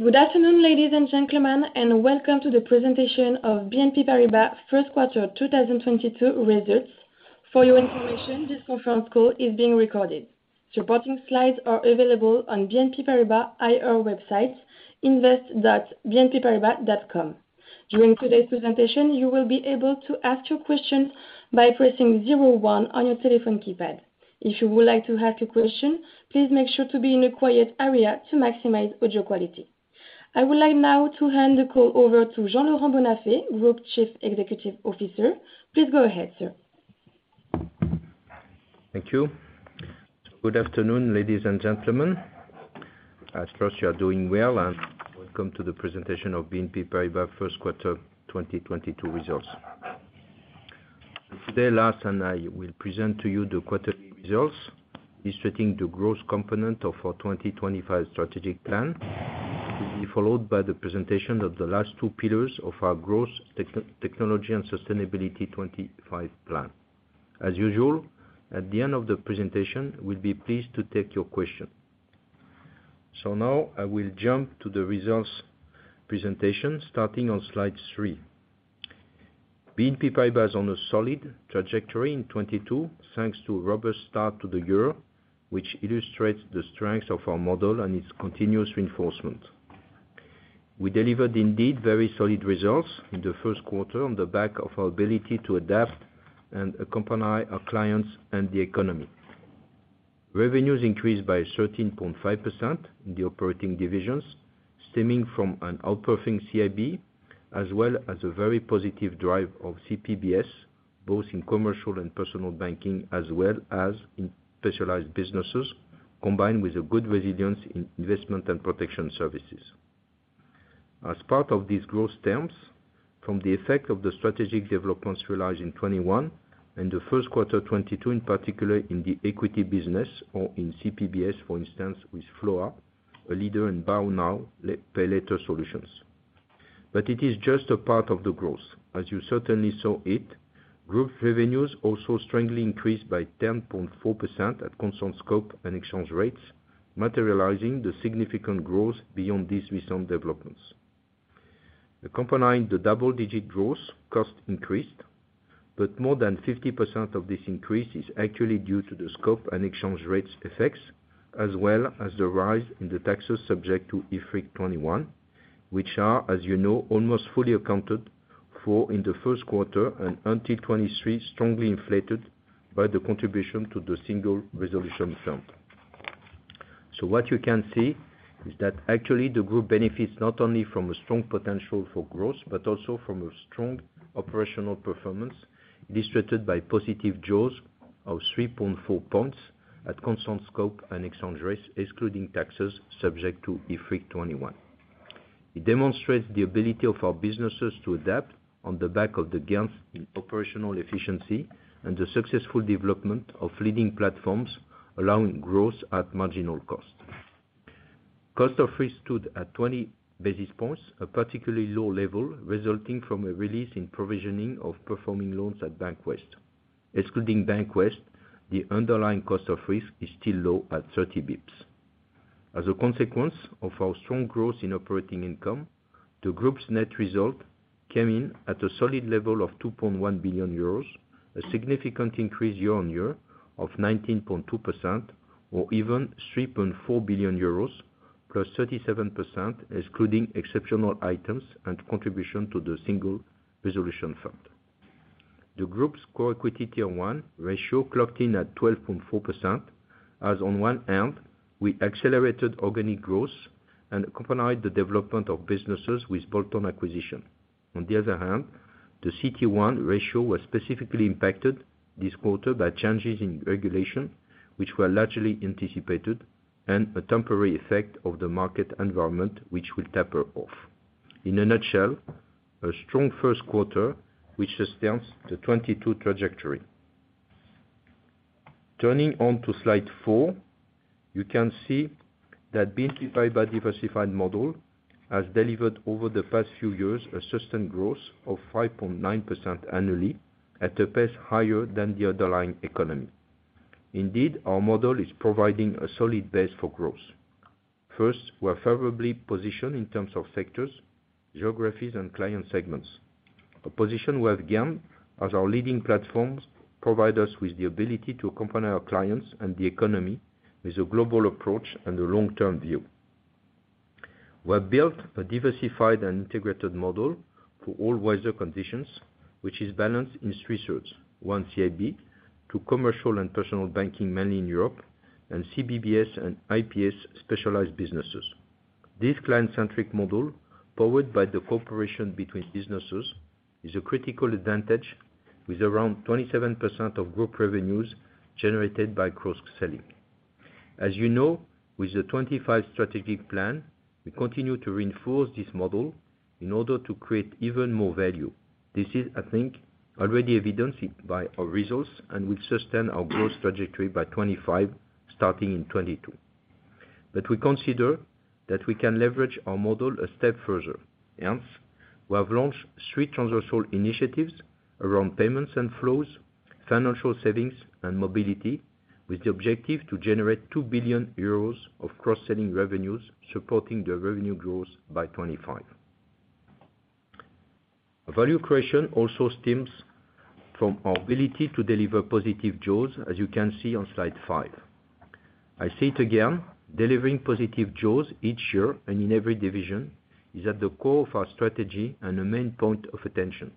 Good afternoon, ladies and gentlemen, and welcome to the presentation of BNP Paribas First Quarter 2022 Results. For your information, this conference call is being recorded. Supporting slides are available on BNP Paribas IR website invest.bnpparibas.com. During today's presentation, you will be able to ask your question by pressing zero one on your telephone keypad. If you would like to ask a question, please make sure to be in a quiet area to maximize audio quality. I would like now to hand the call over to Jean-Laurent Bonnafé, Group Chief Executive Officer. Please go ahead, sir. Thank you. Good afternoon, ladies and gentlemen. I trust you are doing well and welcome to the presentation of BNP Paribas First Quarter 2022 Results. Today, Lars and I will present to you the quarterly results illustrating the growth component of our 2025 strategic plan, to be followed by the presentation of the last two pillars of our growth, technology, and sustainability 25 plan. As usual, at the end of the presentation, we'll be pleased to take your question. Now I will jump to the results presentation starting on slide three. BNP Paribas is on a solid trajectory in 22 thanks to a robust start to the year, which illustrates the strength of our model and its continuous reinforcement. We delivered indeed very solid results in the first quarter on the back of our ability to adapt and accompany our clients and the economy. Revenues increased by 13.5% in the operating divisions, stemming from an outperforming CIB, as well as a very positive drive of CPBS, both in commercial and personal banking, as well as in specialized businesses, combined with a good resilience in investment and protection services. As part of these growth terms, from the effect of the strategic developments realized in 2021 and the first quarter 2022, in particular in the equity business or in CPBS, for instance, with FLOA, a leader in buy now, pay later solutions. It is just a part of the growth. As you certainly saw it, group revenues also strongly increased by 10.4% at constant scope and exchange rates, materializing the significant growth beyond these recent developments. Accompanying the double-digit growth, cost increased, but more than 50% of this increase is actually due to the scope and exchange rates effects, as well as the rise in the taxes subject to IFRIC 21, which are, as you know, almost fully accounted for in the first quarter and until 2023, strongly inflated by the contribution to the Single Resolution Fund. What you can see is that actually the group benefits not only from a strong potential for growth, but also from a strong operational performance illustrated by positive jaws of 3.4 points at constant scope and exchange rates, excluding taxes subject to IFRIC 21. It demonstrates the ability of our businesses to adapt on the back of the gains in operational efficiency and the successful development of leading platforms allowing growth at marginal cost. Cost of risk stood at 20 basis points, a particularly low level resulting from a release in provisioning of performing loans at Bank of the West. Excluding Bank of the West, the underlying cost of risk is still low at 30 basis points. As a consequence of our strong growth in operating income, the group's net result came in at a solid level of 2.1 billion euros, a significant increase year-on-year of 19.2% or even 3.4 billion euros plus 37% excluding exceptional items and contribution to the Single Resolution Fund. The group's Common Equity Tier 1 ratio clocked in at 12.4%, as on one hand, we accelerated organic growth and accompanied the development of businesses with bolt-on acquisition. On the other hand, the CET1 ratio was specifically impacted this quarter by changes in regulation, which were largely anticipated, and a temporary effect of the market environment, which will taper off. In a nutshell, a strong first quarter, which sustains the 2022 trajectory. Turning to slide four, you can see that BNP Paribas' diversified model has delivered over the past few years a sustained growth of 5.9% annually at a pace higher than the underlying economy. Indeed, our model is providing a solid base for growth. First, we are favorably positioned in terms of sectors, geographies, and client segments, a position we have gained as our leading platforms provide us with the ability to accompany our clients and the economy with a global approach and a long-term view. We have built a diversified and integrated model for all weather conditions, which is balanced in three thirds, one-third CIB, one-third commercial and personal banking, mainly in Europe, and CPBS and IPS specialized businesses. This client-centric model, powered by the cooperation between businesses, is a critical advantage with around 27% of group revenues generated by cross-selling. As you know, with the 2025 strategic plan, we continue to reinforce this model in order to create even more value. This is, I think, already evidenced by our results and will sustain our growth trajectory by 2025, starting in 2022. We consider that we can leverage our model a step further. We have launched three transversal initiatives around payments and flows, financial savings, and mobility, with the objective to generate 2 billion euros of cross-selling revenues, supporting the revenue growth by 2025. Value creation also stems from our ability to deliver positive jaws, as you can see on slide five. Delivering positive jaws each year and in every division is at the core of our strategy and a main point of attention.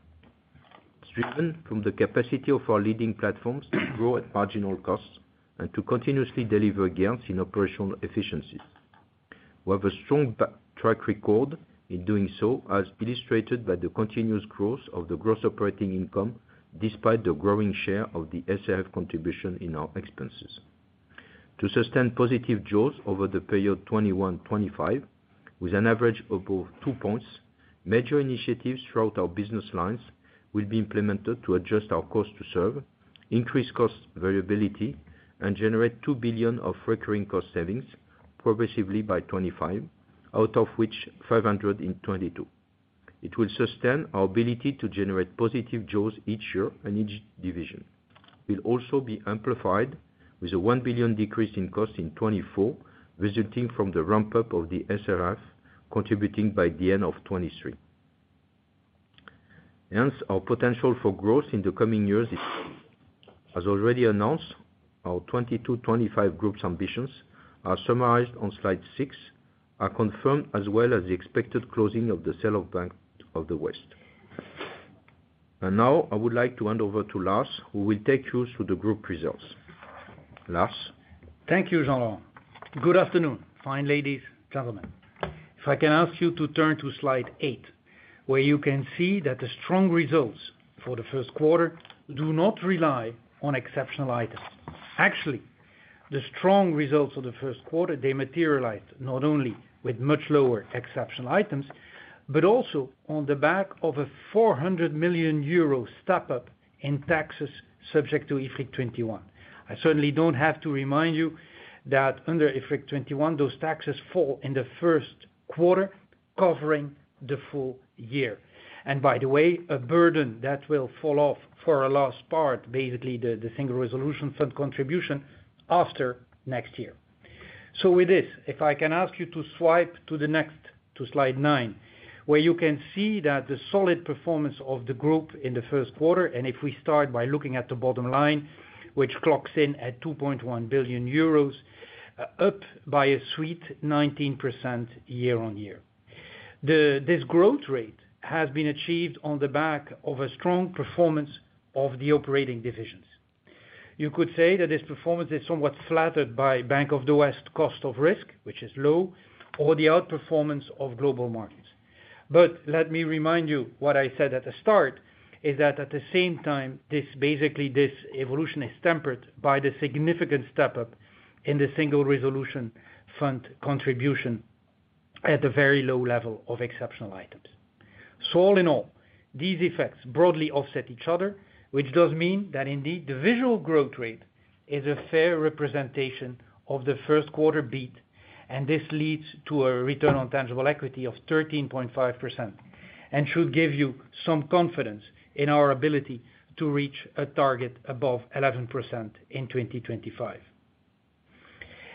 It's driven from the capacity of our leading platforms to grow at marginal costs and to continuously deliver gains in operational efficiencies. We have a strong track record in doing so, as illustrated by the continuous growth of the gross operating income, despite the growing share of the SRF contribution in our expenses. To sustain positive jaws over the period 2021-2025, with an average above 2%, major initiatives throughout our business lines will be implemented to adjust our cost to serve, increase cost variability, and generate 2 billion of recurring cost savings progressively by 2025, out of which 500 million in 2022. It will sustain our ability to generate positive jaws each year and each division. It will also be amplified with a 1 billion decrease in costs in 2024, resulting from the ramp-up of the SRF, contributing by the end of 2023. Hence, our potential for growth in the coming years is. As already announced, our 2022-2025 group's ambitions are summarized on slide six, are confirmed as well as the expected closing of the sale of Bank of the West. Now I would like to hand over to Lars Machenil, who will take you through the group results. Lars? Thank you, Jean-Laurent. Good afternoon, fine ladies, gentlemen. If I can ask you to turn to slide eight, where you can see that the strong results for the first quarter do not rely on exceptional items. Actually, the strong results for the first quarter, they materialize not only with much lower exceptional items, but also on the back of a 400 million euro step-up in taxes subject to IFRIC 21. I certainly don't have to remind you that under IFRIC 21, those taxes fall in the first quarter, covering the full year. By the way, a burden that will fall off for our latter part, basically the Single Resolution Fund contribution, after next year. With this, if I can ask you to swipe to the next, to slide nine, where you can see that the solid performance of the group in the first quarter, and if we start by looking at the bottom line, which clocks in at 2.1 billion euros, up by a sweet 19% year-on-year. This growth rate has been achieved on the back of a strong performance of the operating divisions. You could say that this performance is somewhat flattered by Bank of the West cost of risk, which is low, or the outperformance of Global Markets. Let me remind you what I said at the start is that at the same time, basically this evolution is tempered by the significant step-up in the Single Resolution Fund contribution at the very low level of exceptional items. All in all, these effects broadly offset each other, which does mean that indeed the visual growth rate is a fair representation of the first quarter beat, and this leads to a return on tangible equity of 13.5%, and should give you some confidence in our ability to reach a target above 11% in 2025.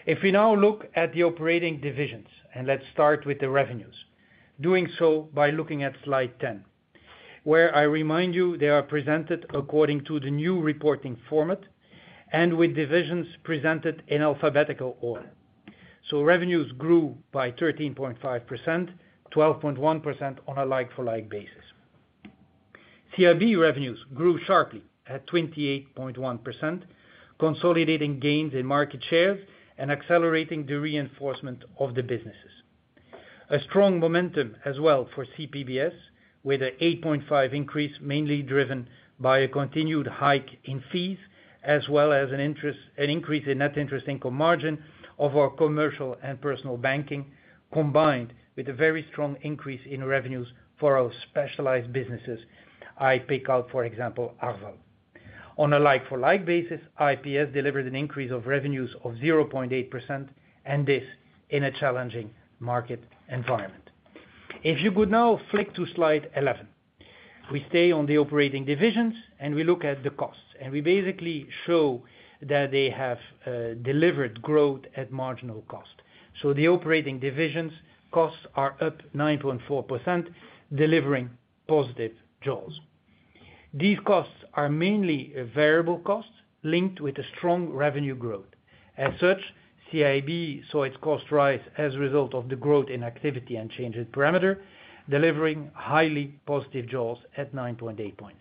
If we now look at the operating divisions, and let's start with the revenues, doing so by looking at slide 10, where I remind you, they are presented according to the new reporting format and with divisions presented in alphabetical order. Revenues grew by 13.5%, 12.1% on a like-for-like basis. CIB revenues grew sharply at 28.1%, consolidating gains in market shares and accelerating the reinforcement of the businesses. A strong momentum as well for CPBS, with an 8.5 increase, mainly driven by a continued hike in fees, as well as an interest, an increase in net interest income margin of our commercial and personal banking, combined with a very strong increase in revenues for our specialized businesses. I pick out, for example, Arval. On a like-for-like basis, IPS delivered an increase of revenues of 0.8%, and this in a challenging market environment. If you could now flick to slide 11. We stay on the operating divisions, and we look at the costs. We basically show that they have delivered growth at marginal cost. The operating divisions' costs are up 9.4%, delivering positive jaws. These costs are mainly variable costs linked with a strong revenue growth. As such, CIB saw its cost rise as a result of the growth in activity and change in parameter, delivering highly positive jaws at 9.8 points.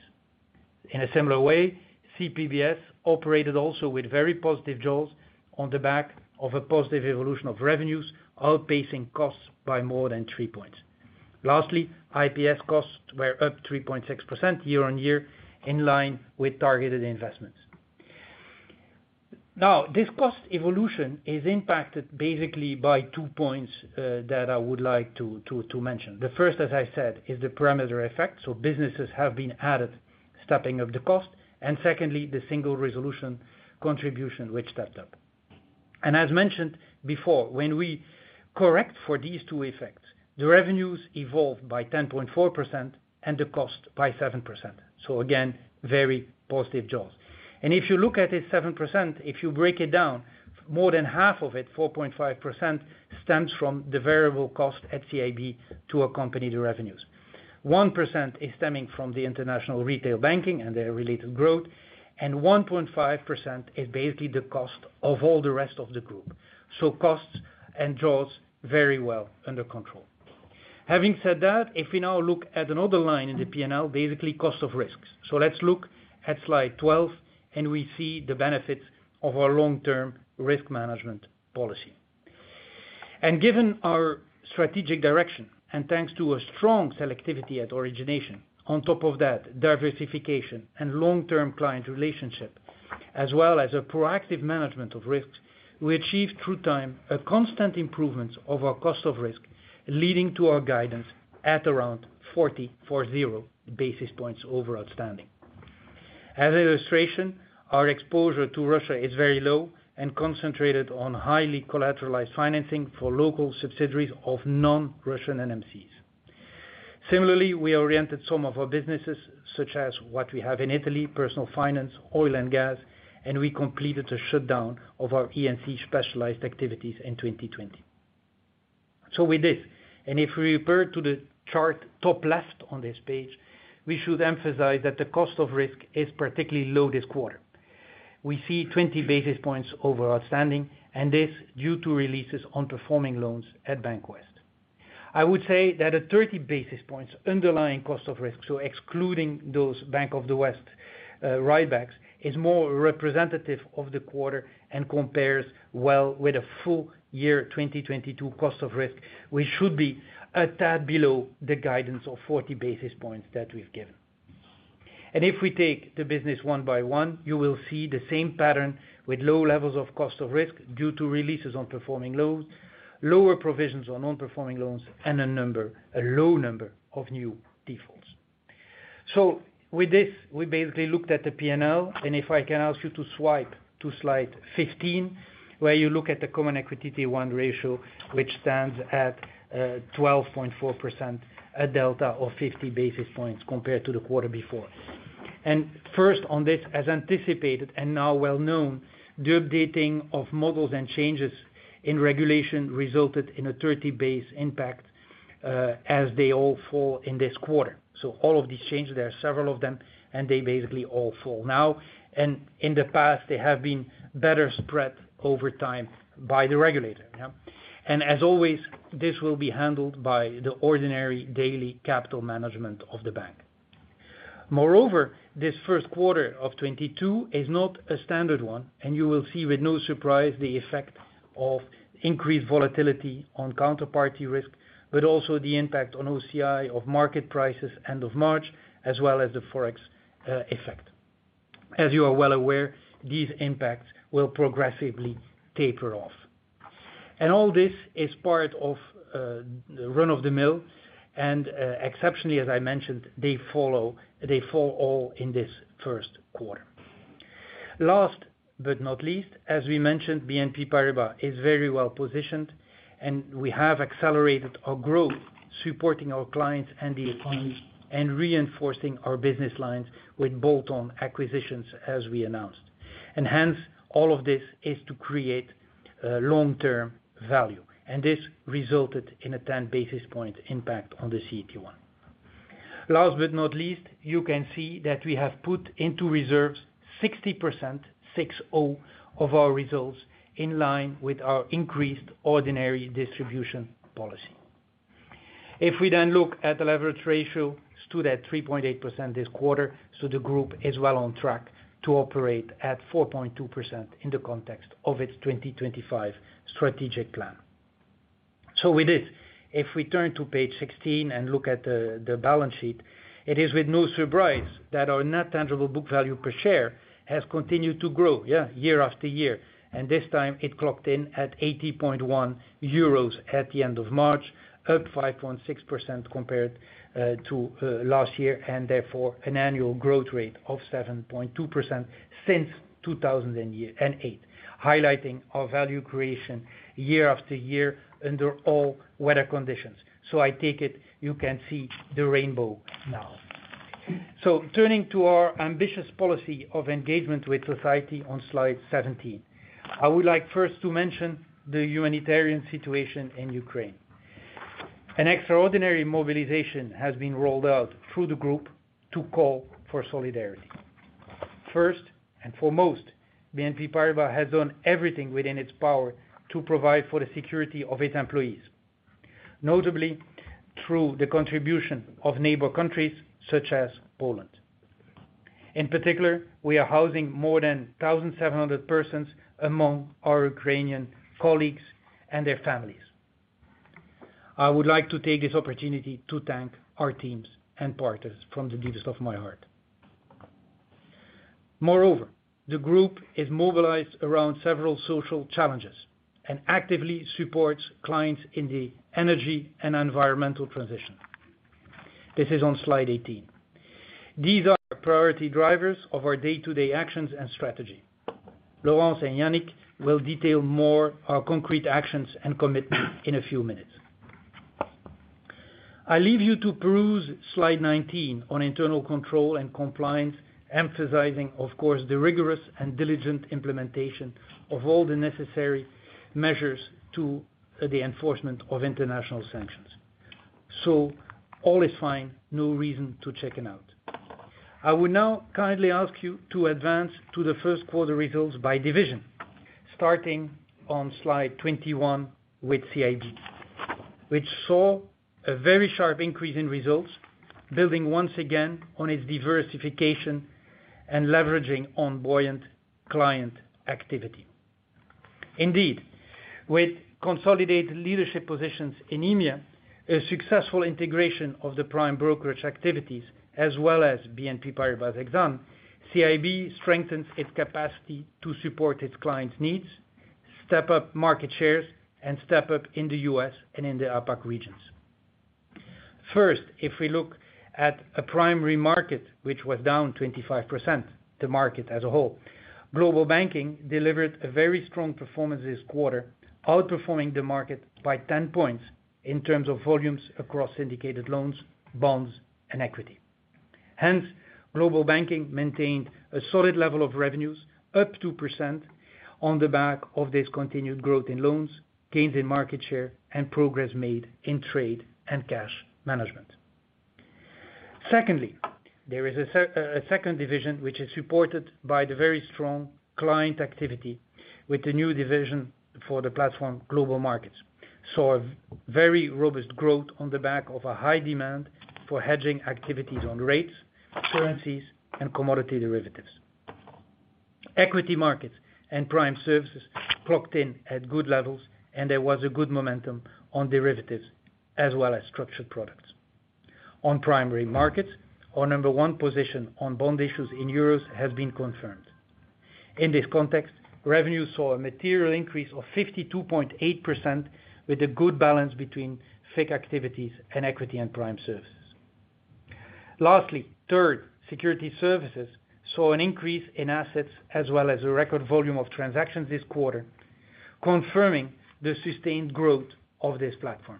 In a similar way, CPBS operated also with very positive jaws on the back of a positive evolution of revenues, outpacing costs by more than three points. Lastly, IPS costs were up 3.6% year-on-year, in line with targeted investments. Now, this cost evolution is impacted basically by two points that I would like to mention. The first, as I said, is the parameter effect, so businesses have been added, stepping up the cost. Secondly, the Single Resolution contribution, which stepped up. As mentioned before, when we correct for these two effects, the revenues evolve by 10.4% and the cost by 7%. So again, very positive jaws. If you look at this 7%, if you break it down, more than half of it, 4.5%, stems from the variable cost at CIB to accompany the revenues. 1% is stemming from the international retail banking and their related growth, and 1.5% is basically the cost of all the rest of the group. Costs and jaws very well under control. Having said that, if we now look at another line in the P&L, basically cost of risks. Let's look at slide 12, and we see the benefits of our long-term risk management policy. Given our strategic direction, and thanks to a strong selectivity at origination, on top of that, diversification and long-term client relationship, as well as a proactive management of risks, we achieved over time a constant improvement of our cost of risk, leading to our guidance at around 40 basis points over outstanding. As an illustration, our exposure to Russia is very low and concentrated on highly collateralized financing for local subsidiaries of non-Russian MNCs. Similarly, we oriented some of our businesses, such as what we have in Italy, personal finance, oil and gas, and we completed a shutdown of our E&C specialized activities in 2020. With this, and if we refer to the chart top left on this page, we should emphasize that the cost of risk is particularly low this quarter. We see 20 basis points over outstanding, and this due to releases on performing loans at Bank of the West. I would say that at 30 basis points underlying cost of risk, so excluding those Bank of the West write-backs, is more representative of the quarter and compares well with the full year 2022 cost of risk, which should be a tad below the guidance of 40 basis points that we've given. If we take the business one by one, you will see the same pattern with low levels of cost of risk due to releases on performing loans, lower provisions on non-performing loans, and a low number of new defaults. With this, we basically looked at the P&L, and if I can ask you to swipe to slide 15, where you look at the Common Equity Tier 1 ratio, which stands at 12.4%, a delta of 50 basis points compared to the quarter before. First on this, as anticipated and now well-known, the updating of models and changes in regulation resulted in a 30 basis points impact, as they all fall in this quarter. All of these changes, there are several of them, and they basically all fall now. In the past, they have been better spread over time by the regulator, yeah. As always, this will be handled by the ordinary daily capital management of the bank. Moreover, this first quarter of 2022 is not a standard one, and you will see with no surprise the effect of increased volatility on counterparty risk, but also the impact on OCI of market prices end of March, as well as the Forex effect. As you are well aware, these impacts will progressively taper off. All this is part of the run-of-the-mill, and exceptionally, as I mentioned, they fall all in this first quarter. Last but not least, as we mentioned, BNP Paribas is very well-positioned, and we have accelerated our growth supporting our clients and the economy and reinforcing our business lines with bolt-on acquisitions as we announced. Hence, all of this is to create long-term value, and this resulted in a 10-basis-point impact on the CET1. Last but not least, you can see that we have put into reserves 60%, 60, of our results in line with our increased ordinary distribution policy. If we look at the leverage ratio stood at 3.8% this quarter, the group is well on track to operate at 4.2% in the context of its 2025 strategic plan. With this, if we turn to page 16 and look at the balance sheet, it is with no surprise that our net tangible book value per share has continued to grow, yeah, year after year. This time it clocked in at 80.1 euros at the end of March, up 5.6% compared to last year, and therefore an annual growth rate of 7.2% since 2008, highlighting our value creation year after year under all weather conditions. I take it you can see the rainbow now. Turning to our ambitious policy of engagement with society on slide 17. I would like first to mention the humanitarian situation in Ukraine. An extraordinary mobilization has been rolled out through the group to call for solidarity. First and foremost, BNP Paribas has done everything within its power to provide for the security of its employees, notably through the contribution of neighbor countries such as Poland. In particular, we are housing more than 1,700 persons among our Ukrainian colleagues and their families. I would like to take this opportunity to thank our teams and partners from the depths of my heart. Moreover, the group is mobilized around several social challenges and actively supports clients in the energy and environmental transition. This is on slide 18. These are priority drivers of our day-to-day actions and strategy. Laurence and Yannick will detail more our concrete actions and commitment in a few minutes. I leave you to peruse slide 19 on internal control and compliance, emphasizing, of course, the rigorous and diligent implementation of all the necessary measures to the enforcement of international sanctions. All is fine, no reason to check it out. I will now kindly ask you to advance to the first quarter results by division, starting on slide 21 with CIB, which saw a very sharp increase in results, building once again on its diversification and leveraging on buoyant client activity. Indeed, with consolidated leadership positions in EMEA, a successful integration of the prime brokerage activities, as well as BNP Paribas Exane, CIB strengthens its capacity to support its clients' needs, step up market shares, and step up in the U.S. and in the APAC regions. First, if we look at a primary market, which was down 25%, the market as a whole, global banking delivered a very strong performance this quarter, outperforming the market by 10 points in terms of volumes across syndicated loans, bonds, and equity. Hence, Global Banking maintained a solid level of revenues up 2% on the back of this continued growth in loans, gains in market share, and progress made in trade and cash management. Secondly, there is a second division which is supported by the very strong client activity with the new division for the platform Global Markets. It saw a very robust growth on the back of a high demand for hedging activities on rates, currencies, and commodity derivatives. Equity Markets and Prime Services clocked in at good levels, and there was a good momentum on derivatives as well as structured products. On Primary Markets, our number one position on bond issues in euros has been confirmed. In this context, revenues saw a material increase of 52.8% with a good balance between FICC activities and equity and Prime Services. Lastly, third, Securities Services saw an increase in assets as well as a record volume of transactions this quarter, confirming the sustained growth of this platform.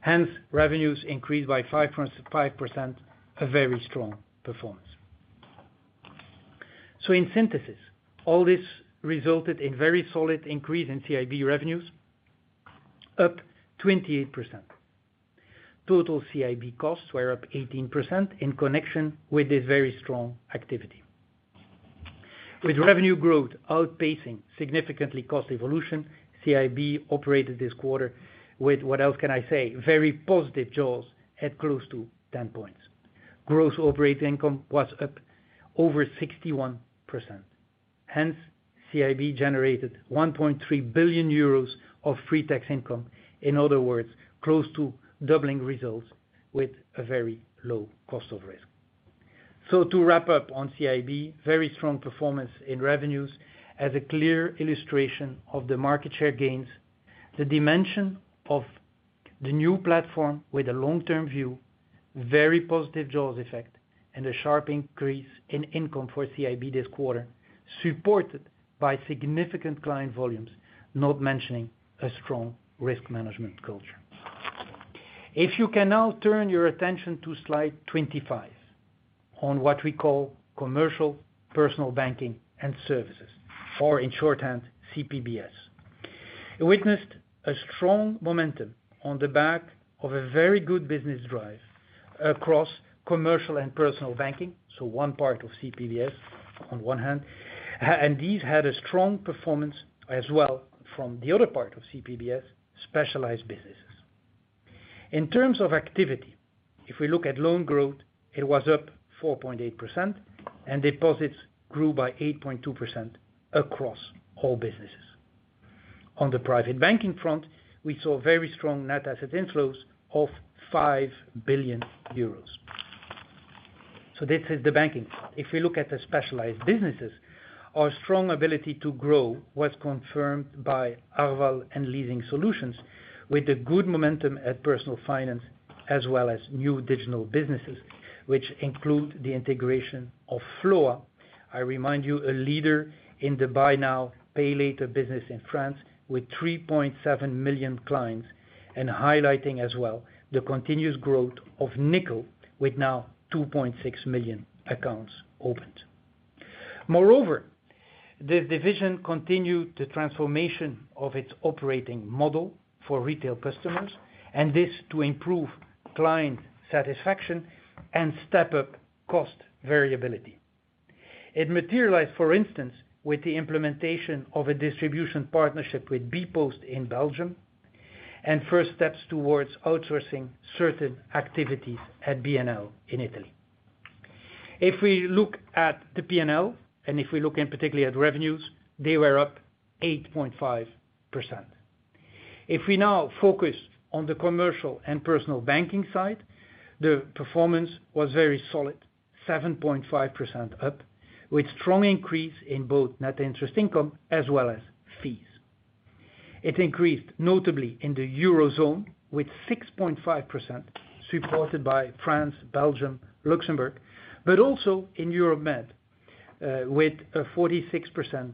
Hence, revenues increased by 5.5%, a very strong performance. In synthesis, all this resulted in very solid increase in CIB revenues up 28%. Total CIB costs were up 18% in connection with this very strong activity. With revenue growth outpacing significantly cost evolution, CIB operated this quarter with, what else can I say, very positive jaws at close to 10 points. Gross operating income was up over 61%. Hence, CIB generated 1.3 billion euros of pre-tax income, in other words, close to doubling results with a very low cost of risk. To wrap up on CIB, very strong performance in revenues as a clear illustration of the market share gains, the dimension of the new platform with a long-term view, very positive jaws effect, and a sharp increase in income for CIB this quarter, supported by significant client volumes, not mentioning a strong risk management culture. If you can now turn your attention to slide 25 on what we call commercial personal banking and services, or in shorthand, CPBS. It witnessed a strong momentum on the back of a very good business drive across commercial and personal banking, so one part of CPBS on one hand, and these had a strong performance as well from the other part of CPBS, specialized businesses. In terms of activity, if we look at loan growth, it was up 4.8%, and deposits grew by 8.2% across all businesses. On the private banking front, we saw very strong net asset inflows of 5 billion euros. This is the banking part. If we look at the specialized businesses, our strong ability to grow was confirmed by Arval and Leasing Solutions with the good momentum at Personal Finance as well as new digital businesses, which include the integration of FLOA. I remind you, a leader in the buy now, pay later business in France with 3.7 million clients, and highlighting as well the continuous growth of Nickel with now 2.6 million accounts opened. Moreover, the division continued the transformation of its operating model for retail customers, and this to improve client satisfaction and step up cost variability. It materialized, for instance, with the implementation of a distribution partnership with bpost in Belgium and first steps towards outsourcing certain activities at BNL in Italy. If we look at the P&L, and if we look in particularly at revenues, they were up 8.5%. If we now focus on the commercial and personal banking side, the performance was very solid, 7.5% up, with strong increase in both net interest income as well as fees. It increased notably in the Eurozone with 6.5%, supported by France, Belgium, Luxembourg, but also in Europe Med, with 46%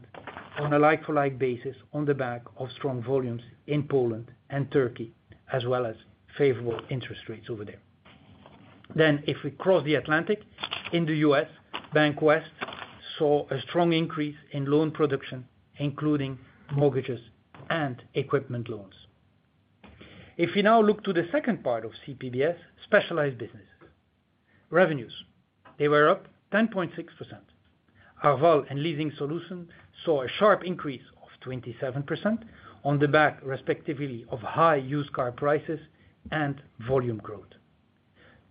on a like for like basis on the back of strong volumes in Poland and Turkey, as well as favorable interest rates over there. If we cross the Atlantic, in the U.S., Bank of the West saw a strong increase in loan production, including mortgages and equipment loans. If you now look to the second part of CPBS specialized businesses. Revenues, they were up 10.6%. Arval and Leasing Solutions saw a sharp increase of 27% on the back respectively of high used car prices and volume growth.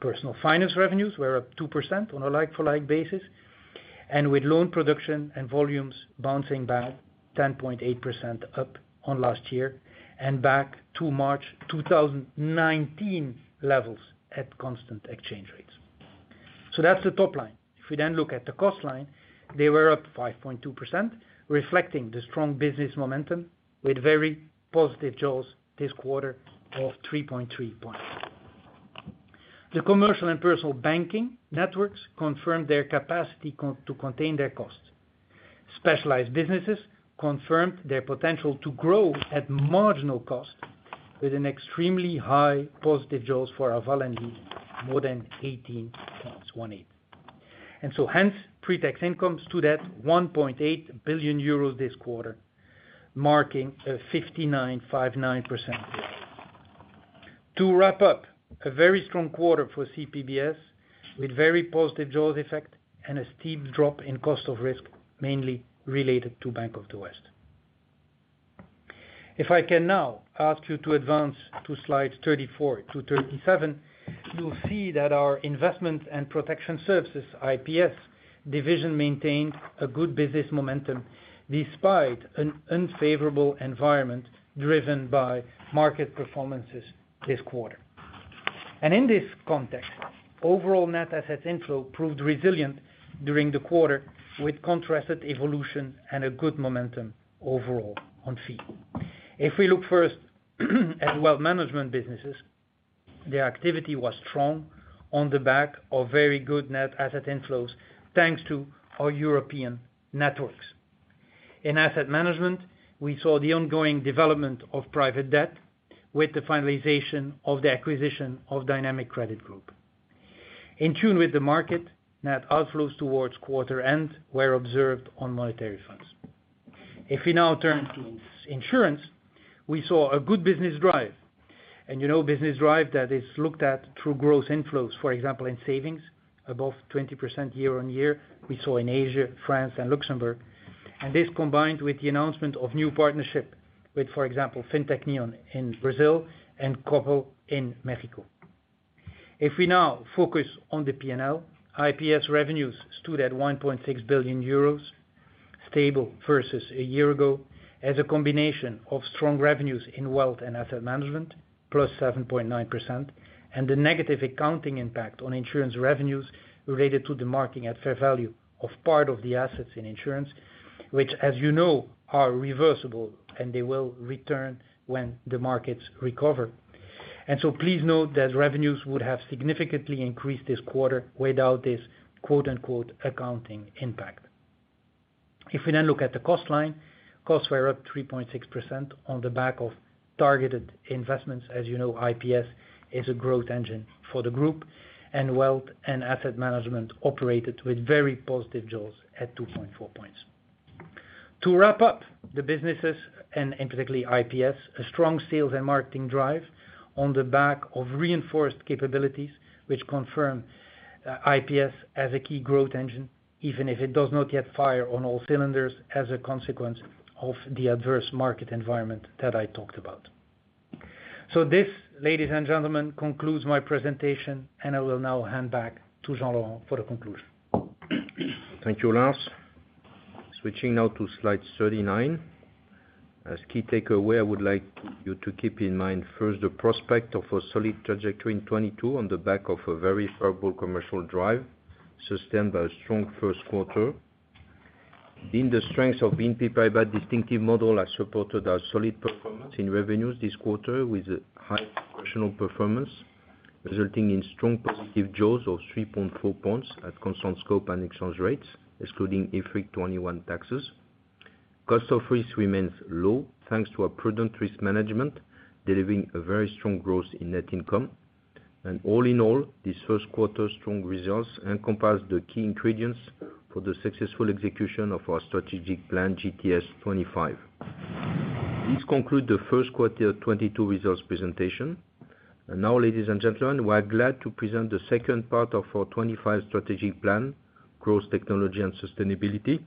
Personal Finance revenues were up 2% on a like-for-like basis, and with loan production and volumes bouncing back 10.8% up on last year and back to March 2019 levels at constant exchange rates. That's the top line. If we then look at the cost line, they were up 5.2%, reflecting the strong business momentum with very positive jaws this quarter of 3.3 points. The commercial and personal banking networks confirmed their capacity to contain their costs. Specialized businesses confirmed their potential to grow at marginal cost with an extremely high positive jaws for Arval and Leasing Solutions, more than 18 points, 180. Hence, pre-tax income stood at 1.8 billion euros this quarter, marking a 59%. To wrap up, a very strong quarter for CPBS with very positive jaws effect and a steep drop in cost of risk, mainly related to Bank of the West. If I can now ask you to advance to slides 34-37, you'll see that our investment and protection services, IPS division, maintained a good business momentum despite an unfavorable environment driven by market performances this quarter. In this context, overall net asset inflow proved resilient during the quarter with contrasted evolution and a good momentum overall on fee. If we look first at wealth management businesses, the activity was strong on the back of very good net asset inflows, thanks to our European networks. In asset management, we saw the ongoing development of private debt with the finalization of the acquisition of Dynamic Credit Group. In tune with the market, net outflows towards quarter end were observed on monetary funds. If we now turn to insurance, we saw a good business drive. You know, business drive that is looked at through gross inflows, for example, in savings above 20% year-on-year, we saw in Asia, France and Luxembourg, and this combined with the announcement of new partnership with, for example, Fintech Neon in Brazil and kubo.financiero in Mexico. If we now focus on the P&L, IPS revenues stood at 1.6 billion euros, stable versus a year ago, as a combination of strong revenues in wealth and asset management, +7.9%, and the negative accounting impact on insurance revenues related to the marking at fair value of part of the assets in insurance, which as you know, are reversible, and they will return when the markets recover. Please note that revenues would have significantly increased this quarter without this quote unquote accounting impact. If we then look at the cost line, costs were up 3.6% on the back of targeted investments. As you know, IPS is a growth engine for the group, and wealth and asset management operated with very positive jaws at 2.4 points. To wrap up the businesses and particularly IPS, a strong sales and marketing drive on the back of reinforced capabilities, which confirm IPS as a key growth engine, even if it does not yet fire on all cylinders as a consequence of the adverse market environment that I talked about. This, ladies and gentlemen, concludes my presentation, and I will now hand back to Jean-Laurent for the conclusion. Thank you, Lars. Switching now to slide 39. As key takeaway, I would like you to keep in mind first the prospect of a solid trajectory in 2022 on the back of a very favorable commercial drive, sustained by a strong first quarter. In the strengths of BNP Paribas distinctive model has supported our solid performance in revenues this quarter with high professional performance, resulting in strong positive jaws of 3.4 points at constant scope and exchange rates, excluding IFRIC 21 taxes. Cost of risk remains low, thanks to our prudent risk management, delivering a very strong growth in net income. All in all, this first quarter strong results encompass the key ingredients for the successful execution of our strategic plan GTS 2025. This conclude the first quarter 2022 results presentation. Now, ladies and gentlemen, we are glad to present the second part of our 2025 strategic plan, Growth, Technology and Sustainability,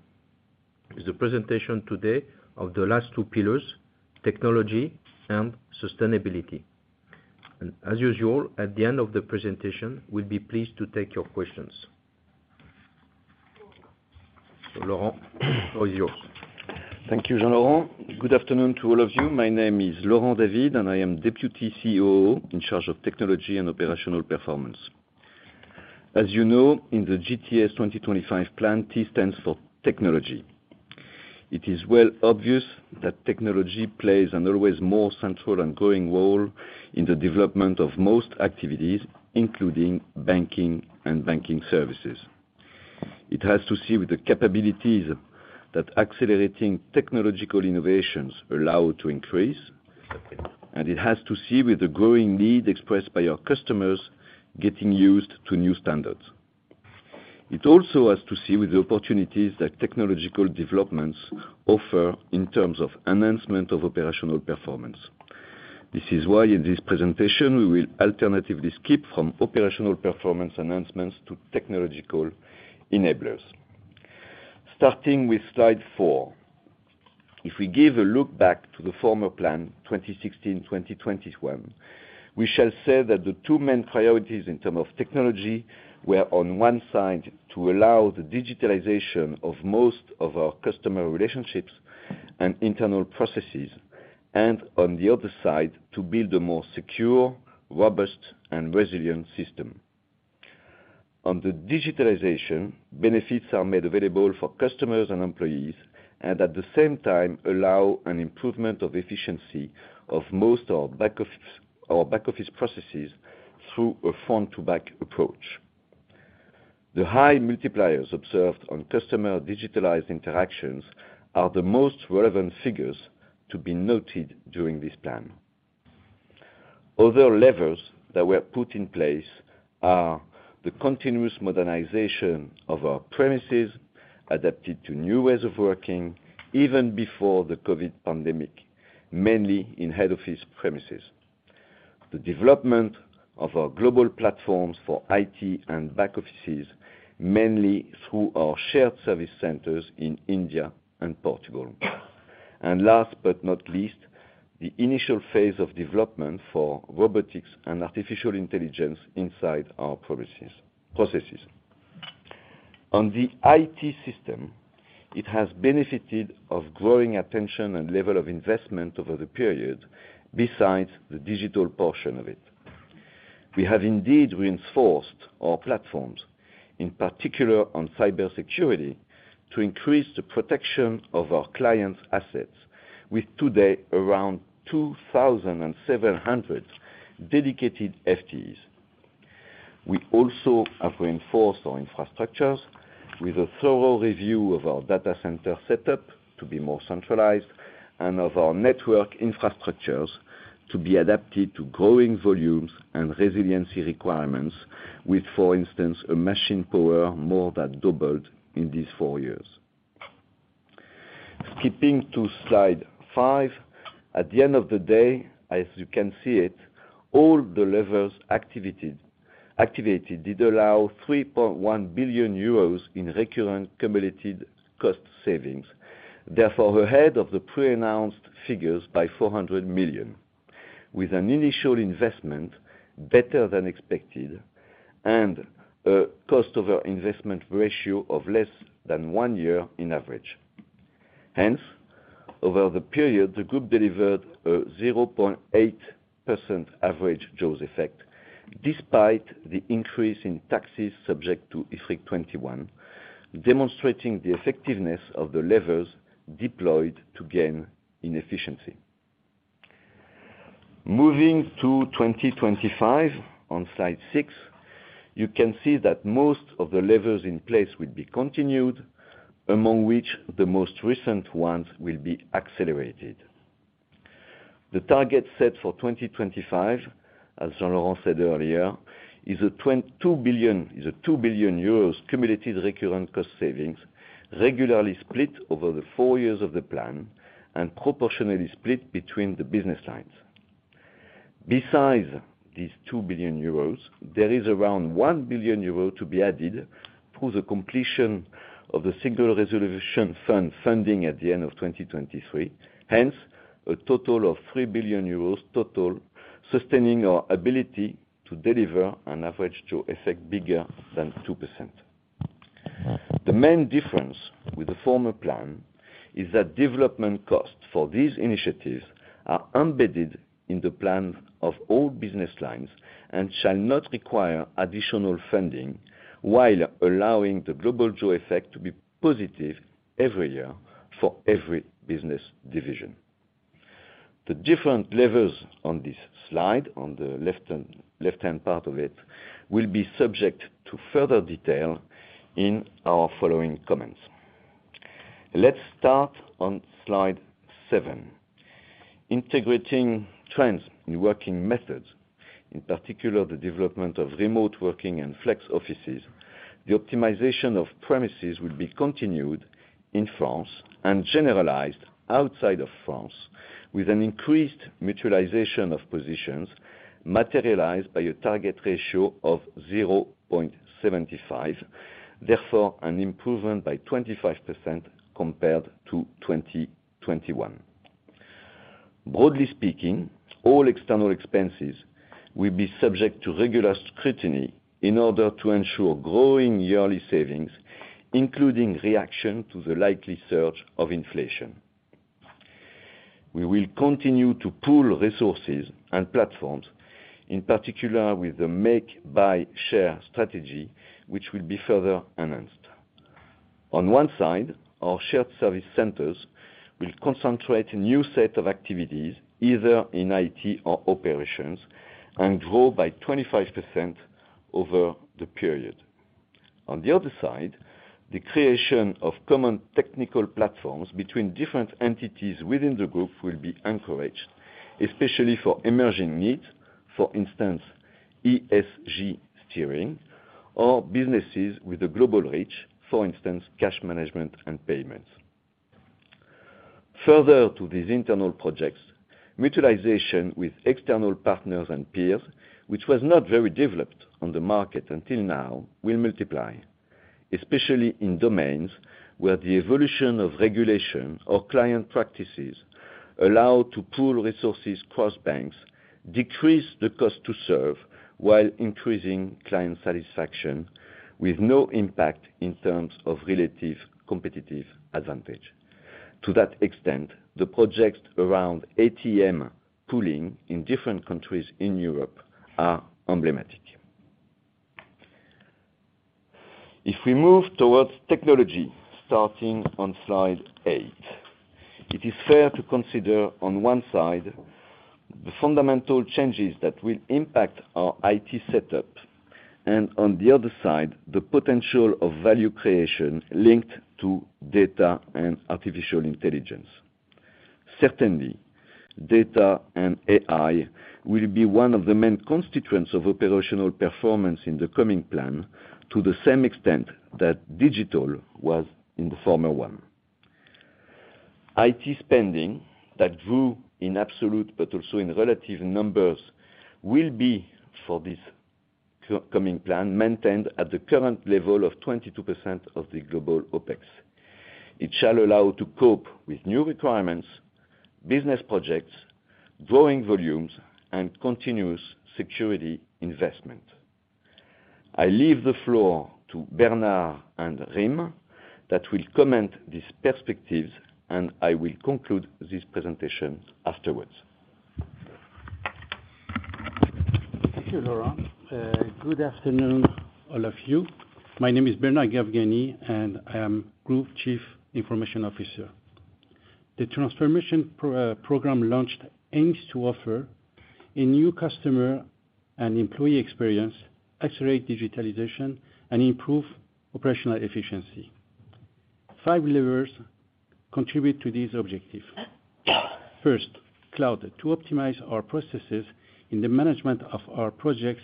is the presentation today of the last two pillars, Technology and Sustainability. As usual, at the end of the presentation, we'll be pleased to take your questions. Laurent, all yours. Thank you, Jean-Laurent. Good afternoon to all of you. My name is Laurent David, and I am Deputy CEO in charge of technology and operational performance. As you know, in the GTS 2025 plan, T stands for technology. It is well obvious that technology plays an always more central and growing role in the development of most activities, including banking and banking services. It has to do with the capabilities that accelerating technological innovations allow to increase, and it has to do with the growing need expressed by our customers getting used to new standards. It also has to do with the opportunities that technological developments offer in terms of enhancement of operational performance. This is why, in this presentation, we will alternatively skip from operational performance enhancements to technological enablers. Starting with slide four, if we give a look back to the former plan, 2016-2021, we shall say that the two main priorities in terms of technology were, on one side, to allow the digitalization of most of our customer relationships and internal processes and, on the other side, to build a more secure, robust, and resilient system. On the digitalization, benefits are made available for customers and employees, and at the same time allow an improvement of efficiency of most of our back-office processes through a front-to-back approach. The high multipliers observed on customer digitalized interactions are the most relevant figures to be noted during this plan. Other levers that were put in place are the continuous modernization of our premises, adapted to new ways of working even before the COVID pandemic, mainly in head office premises. The development of our global platforms for IT and back offices, mainly through our shared service centers in India and Portugal. Last but not least, the initial phase of development for robotics and artificial intelligence inside our processes. On the IT system, it has benefited from growing attention and level of investment over the period besides the digital portion of it. We have indeed reinforced our platforms, in particular on cybersecurity, to increase the protection of our clients' assets, with today around 2,700 dedicated FTEs. We also have reinforced our infrastructures with a thorough review of our data center setup to be more centralized and of our network infrastructures to be adapted to growing volumes and resiliency requirements with, for instance, a machine power more than doubled in these four years. Skipping to slide five. At the end of the day, as you can see it, all the levers activated did allow 3.1 billion euros in recurrent cumulated cost savings, therefore ahead of the pre-announced figures by 400 million, with an initial investment better than expected and a cost over investment ratio of less than one year in average. Hence, over the period, the group delivered a 0.8% average jaws effect, despite the increase in taxes subject to IFRIC 21, demonstrating the effectiveness of the levers deployed to gain in efficiency. Moving to 2025 on slide six, you can see that most of the levers in place will be continued, among which the most recent ones will be accelerated. The target set for 2025, as Jean-Laurent said earlier, is 2 billion euros cumulative recurrent cost savings regularly split over the four years of the plan and proportionally split between the business lines. Besides these 2 billion euros, there is around 1 billion euros to be added through the completion of the Single Resolution Fund funding at the end of 2023. Hence, a total of 3 billion euros total, sustaining our ability to deliver an average jaws effect bigger than 2%. The main difference with the former plan is that development costs for these initiatives are embedded in the plans of all business lines and shall not require additional funding, while allowing the global jaws effect to be positive every year for every business division. The different levers on this slide, on the left-hand part of it, will be subject to further detail in our following comments. Let's start on slide seven. Integrating trends in working methods, in particular the development of remote working and flex offices, the optimization of premises will be continued in France and generalized outside of France with an increased mutualization of positions materialized by a target ratio of 0.75, therefore an improvement by 25% compared to 2021. Broadly speaking, all external expenses will be subject to regular scrutiny in order to ensure growing yearly savings, including reaction to the likely surge of inflation. We will continue to pool resources and platforms, in particular with the make, buy, share strategy, which will be further enhanced. On one side, our shared service centers will concentrate a new set of activities, either in IT or operations, and grow by 25% over the period. On the other side, the creation of common technical platforms between different entities within the group will be encouraged, especially for emerging needs. For instance, ESG steering or businesses with a global reach, for instance, cash management and payments. Further to these internal projects, mutualization with external partners and peers, which was not very developed on the market until now, will multiply, especially in domains where the evolution of regulation or client practices allow to pool resources across banks, decrease the cost to serve while increasing client satisfaction with no impact in terms of relative competitive advantage. To that extent, the projects around ATM pooling in different countries in Europe are emblematic. If we move towards technology, starting on slide 8, it is fair to consider on one side the fundamental changes that will impact our IT setup, and on the other side, the potential of value creation linked to data and artificial intelligence. Certainly, data and AI will be one of the main constituents of operational performance in the coming plan to the same extent that digital was in the former one. IT spending that grew in absolute but also in relative numbers will be for this coming plan maintained at the current level of 22% of the global OpEx. It shall allow to cope with new requirements, business projects, growing volumes, and continuous security investment. I leave the floor to Bernard and Rim that will comment these perspectives, and I will conclude this presentation afterwards. Thank you, Laurent. Good afternoon, all of you. My name is Bernard Gavgani, and I am Group Chief Information Officer. The transformation program launched aims to offer a new customer and employee experience, accelerate digitalization, and improve operational efficiency. Five levers contribute to this objective. First, cloud. To optimize our processes in the management of our projects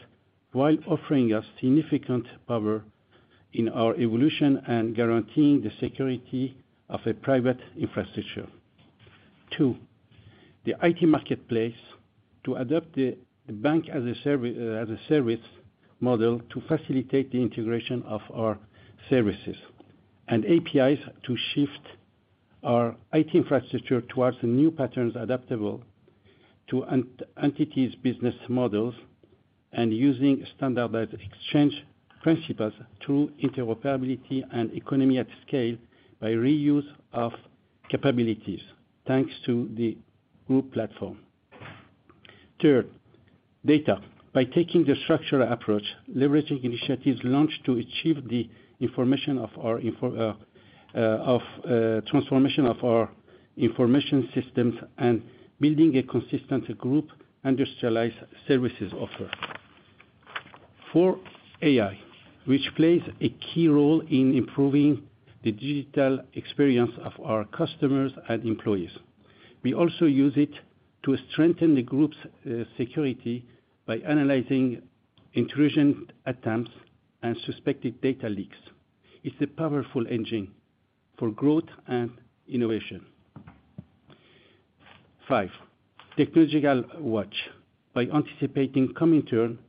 while offering us significant power in our evolution and guaranteeing the security of a private infrastructure. Two, the IT marketplace to adopt the bank as a service model to facilitate the integration of our services. APIs to shift our IT infrastructure towards the new patterns adaptable to entity's business models and using standardized exchange principles through interoperability and economies of scale by reuse of capabilities, thanks to the group platform. Third, data. By taking the structural approach, leveraging initiatives launched to achieve the transformation of our information systems and building a consistent group industrialized services offer. 4. AI, which plays a key role in improving the digital experience of our customers and employees. We also use it to strengthen the group's security by analyzing intrusion attempts and suspected data leaks. It's a powerful engine for growth and innovation. 5. Technological watch. By anticipating coming trends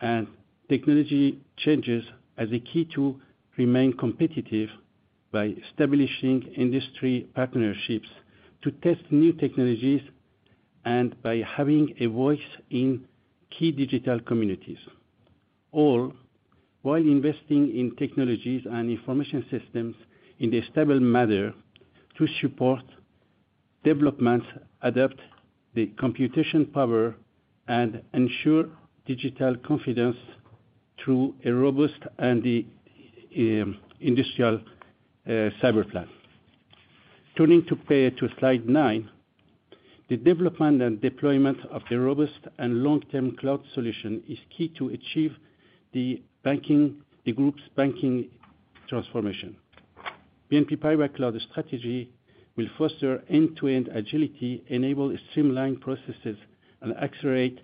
and technology changes as a key to remain competitive by establishing industry partnerships to test new technologies and by having a voice in key digital communities. All while investing in technologies and information systems in a stable manner to support development, adapt the computing power, and ensure digital confidence through a robust and industrial cyber plan. Turning to slide nine, the development and deployment of the robust and long-term cloud solution is key to achieve the group's banking transformation. BNP Paribas cloud strategy will foster end-to-end agility, enable streamlined processes, and accelerate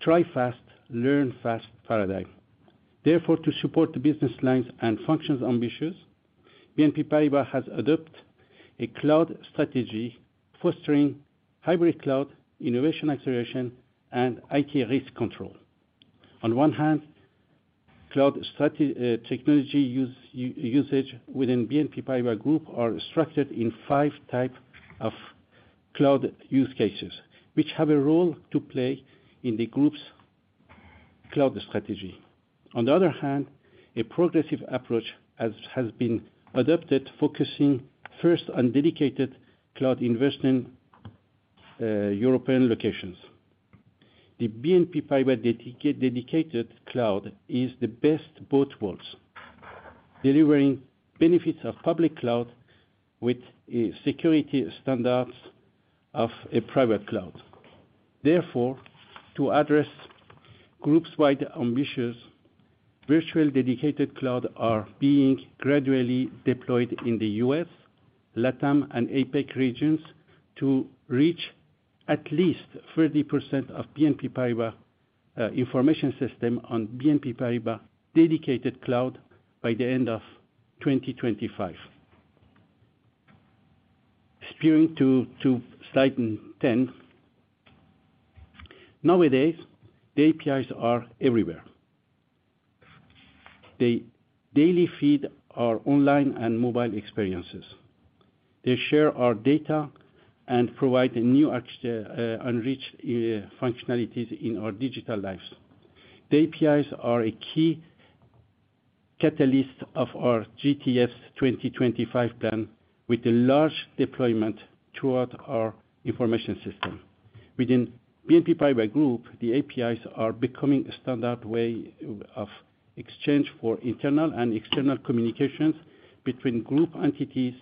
try fast, learn fast paradigm. Therefore, to support the business lines and functions' ambitions, BNP Paribas has adopted a cloud strategy fostering hybrid cloud, innovation acceleration, and IT risk control. On one hand, cloud technology usage within BNP Paribas Group are structured in five types of cloud use cases, which have a role to play in the group's cloud strategy. On the other hand, a progressive approach has been adopted, focusing first on dedicated cloud investment, European locations. The BNP Paribas dedicated cloud is the best of both worlds, delivering benefits of public cloud with security standards of a private cloud. Therefore, to address group-wide ambitions, virtual dedicated cloud are being gradually deployed in the U.S., LATAM, and APAC regions to reach at least 30% of BNP Paribas information system on BNP Paribas dedicated cloud by the end of 2025. Referring to slide 10. Nowadays, the APIs are everywhere. They daily feed our online and mobile experiences. They share our data and provide a new architecture, unreached functionalities in our digital lives. The APIs are a key catalyst of our GTS 2025 plan with a large deployment throughout our information system. Within BNP Paribas Group, the APIs are becoming a standard way of exchange for internal and external communications between group entities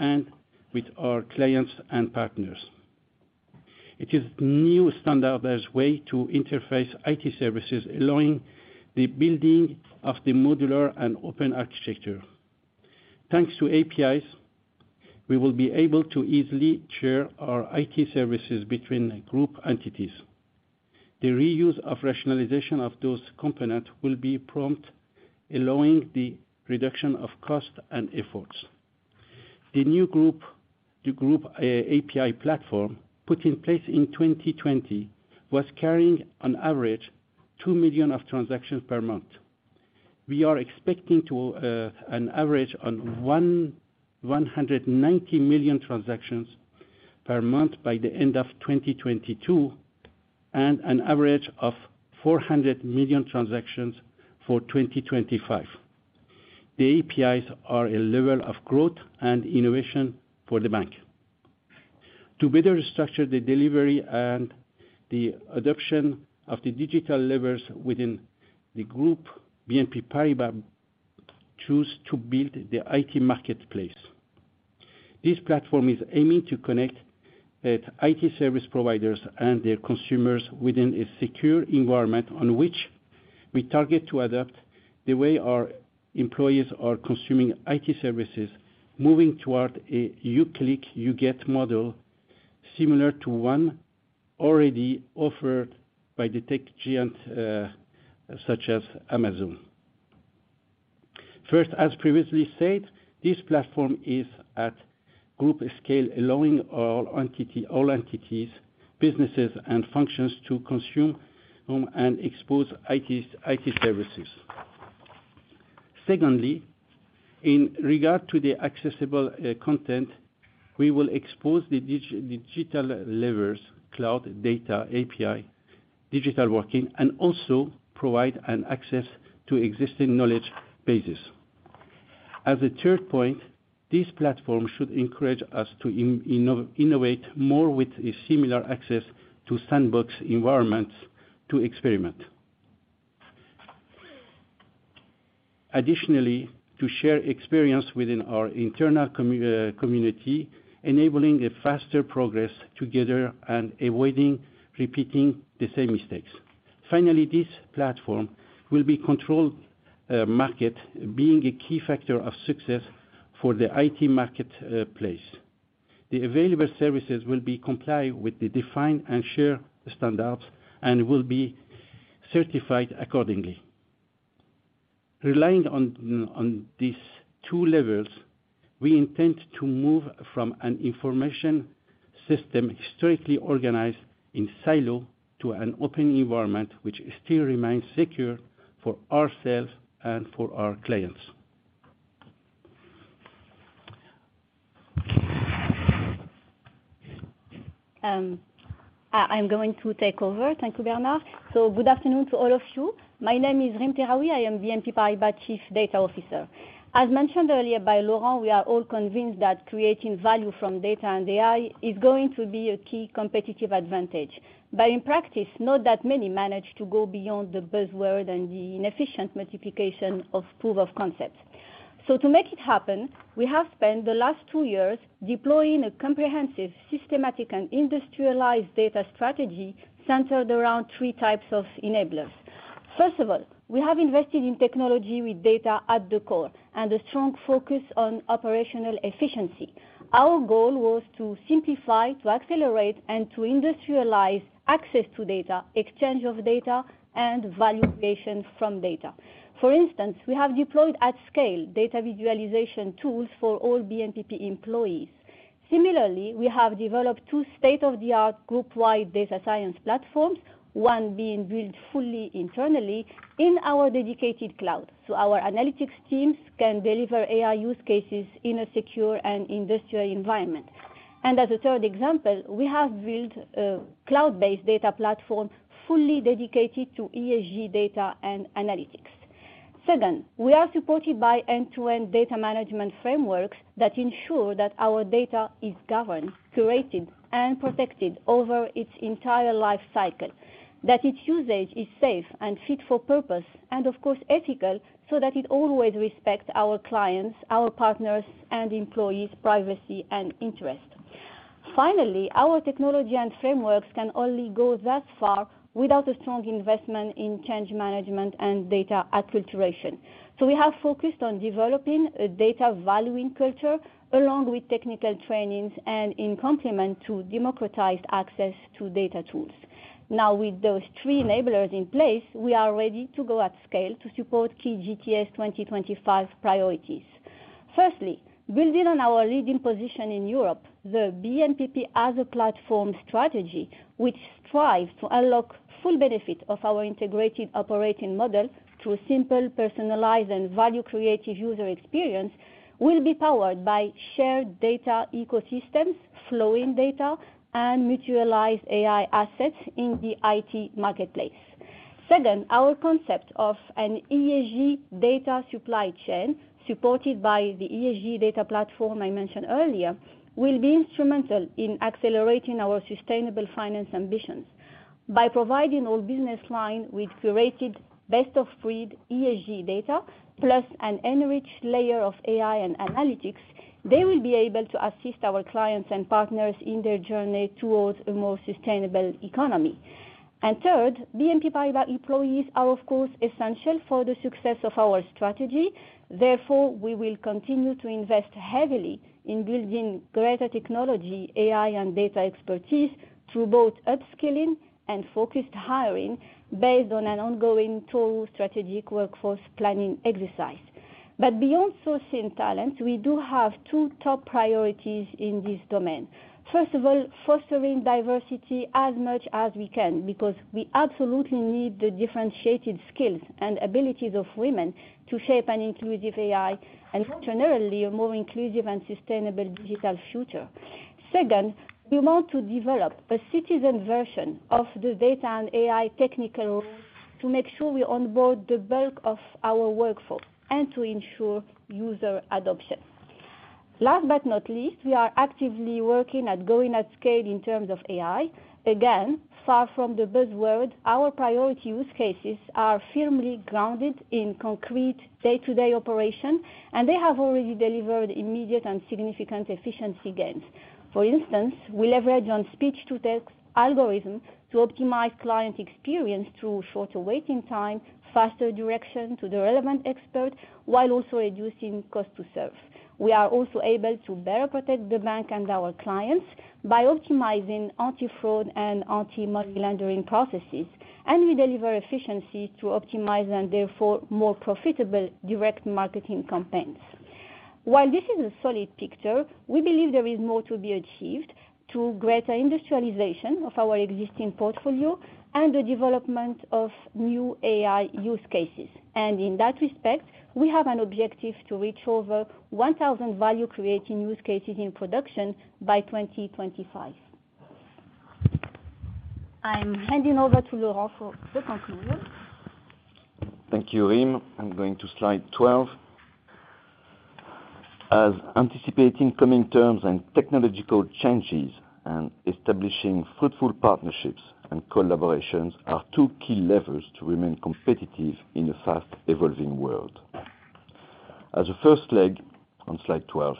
and with our clients and partners. It is new standardless way to interface IT services, allowing the building of the modular and open architecture. Thanks to APIs, we will be able to easily share our IT services between group entities. The reuse and rationalization of those components will be prompt, allowing the reduction of cost and efforts. The new Group API platform, put in place in 2020, was carrying an average 2 million transactions per month. We are expecting an average of 190 million transactions per month by the end of 2022, and an average of 400 million transactions for 2025. The APIs are a lever of growth and innovation for the bank. To better structure the delivery and the adoption of the digital levers within the group, BNP Paribas chose to build the IT marketplace. This platform is aiming to connect IT service providers and their consumers within a secure environment on which we target to adapt the way our employees are consuming IT services, moving toward a you click, you get model, similar to one already offered by the tech giant such as Amazon. First, as previously said, this platform is at group scale, allowing all entities, businesses, and functions to consume and expose IT services. Secondly, in regard to the accessible content, we will expose the digital levers, cloud data, API, digital working, and also provide an access to existing knowledge bases. As a third point, this platform should encourage us to innovate more with a similar access to sandbox environments to experiment. Additionally, to share experience within our internal community, enabling a faster progress together and avoiding repeating the same mistakes. Finally, this platform will be controlled marketplace, being a key factor of success for the IT marketplace. The available services will comply with the defined and shared standards and will be certified accordingly. Relying on these two levels, we intend to move from an information system strictly organized in silo to an open environment which still remains secure for ourselves and for our clients. I'm going to take over. Thank you, Bernard. Good afternoon to all of you. My name is Rim Tehraoui. I am BNP Paribas' Chief Data Officer. As mentioned earlier by Laurent, we are all convinced that creating value from data and AI is going to be a key competitive advantage. In practice, not that many manage to go beyond the buzzword and the inefficient multiplication of proof of concepts. To make it happen, we have spent the last two years deploying a comprehensive, systematic, and industrialized data strategy centered around three types of enablers. First of all, we have invested in technology with data at the core and a strong focus on operational efficiency. Our goal was to simplify, to accelerate, and to industrialize access to data, exchange of data, and value creation from data. For instance, we have deployed at scale data visualization tools for all BNPP employees. Similarly, we have developed two state-of-the-art group-wide data science platforms, one being built fully internally. In our dedicated cloud, so our analytics teams can deliver AI use cases in a secure and industrial environment. As a third example, we have built a cloud-based data platform fully dedicated to ESG data and analytics. Second, we are supported by end-to-end data management frameworks that ensure that our data is governed, curated, and protected over its entire life cycle, that its usage is safe and fit for purpose, and of course, ethical, so that it always respects our clients, our partners, and employees' privacy and interest. Finally, our technology and frameworks can only go that far without a strong investment in change management and data acculturation. We have focused on developing a data valuing culture, along with technical trainings and in complement to democratized access to data tools. Now, with those three enablers in place, we are ready to go at scale to support key GTS 2025 priorities. Firstly, building on our leading position in Europe, the BNPP as a platform strategy, which strives to unlock full benefit of our integrated operating model through a simple, personalized, and value-creative user experience, will be powered by shared data ecosystems, flowing data, and mutualized AI assets in the IT marketplace. Second, our concept of an ESG data supply chain, supported by the ESG data platform I mentioned earlier, will be instrumental in accelerating our sustainable finance ambitions. By providing all business line with curated best-of-breed ESG data, plus an enriched layer of AI and analytics, they will be able to assist our clients and partners in their journey toward a more sustainable economy. Third, BNP Paribas employees are, of course, essential for the success of our strategy. Therefore, we will continue to invest heavily in building greater technology, AI, and data expertise through both upskilling and focused hiring based on an ongoing total strategic workforce planning exercise. Beyond sourcing talent, we do have two top priorities in this domain. First of all, fostering diversity as much as we can because we absolutely need the differentiated skills and abilities of women to shape an inclusive AI and more generally, a more inclusive and sustainable digital future. Second, we want to develop a citizen version of the data and AI technical to make sure we onboard the bulk of our workforce and to ensure user adoption. Last but not least, we are actively working at going at scale in terms of AI. Again, far from the buzzword, our priority use cases are firmly grounded in concrete day-to-day operation, and they have already delivered immediate and significant efficiency gains. For instance, we leverage on speech-to-text algorithms to optimize client experience through shorter waiting time, faster direction to the relevant expert, while also reducing cost to serve. We are also able to better protect the bank and our clients by optimizing anti-fraud and anti-money laundering processes. We deliver efficiencies to optimize and therefore more profitable direct marketing campaigns. While this is a solid picture, we believe there is more to be achieved through greater industrialization of our existing portfolio and the development of new AI use cases. In that respect, we have an objective to reach over 1,000 value-creating use cases in production by 2025. I'm handing over to Laurent David for the conclusion. Thank you, Rim. I'm going to slide 12. Anticipating coming trends and technological changes and establishing fruitful partnerships and collaborations are two key levers to remain competitive in a fast-evolving world. As a first leg, on slide 12,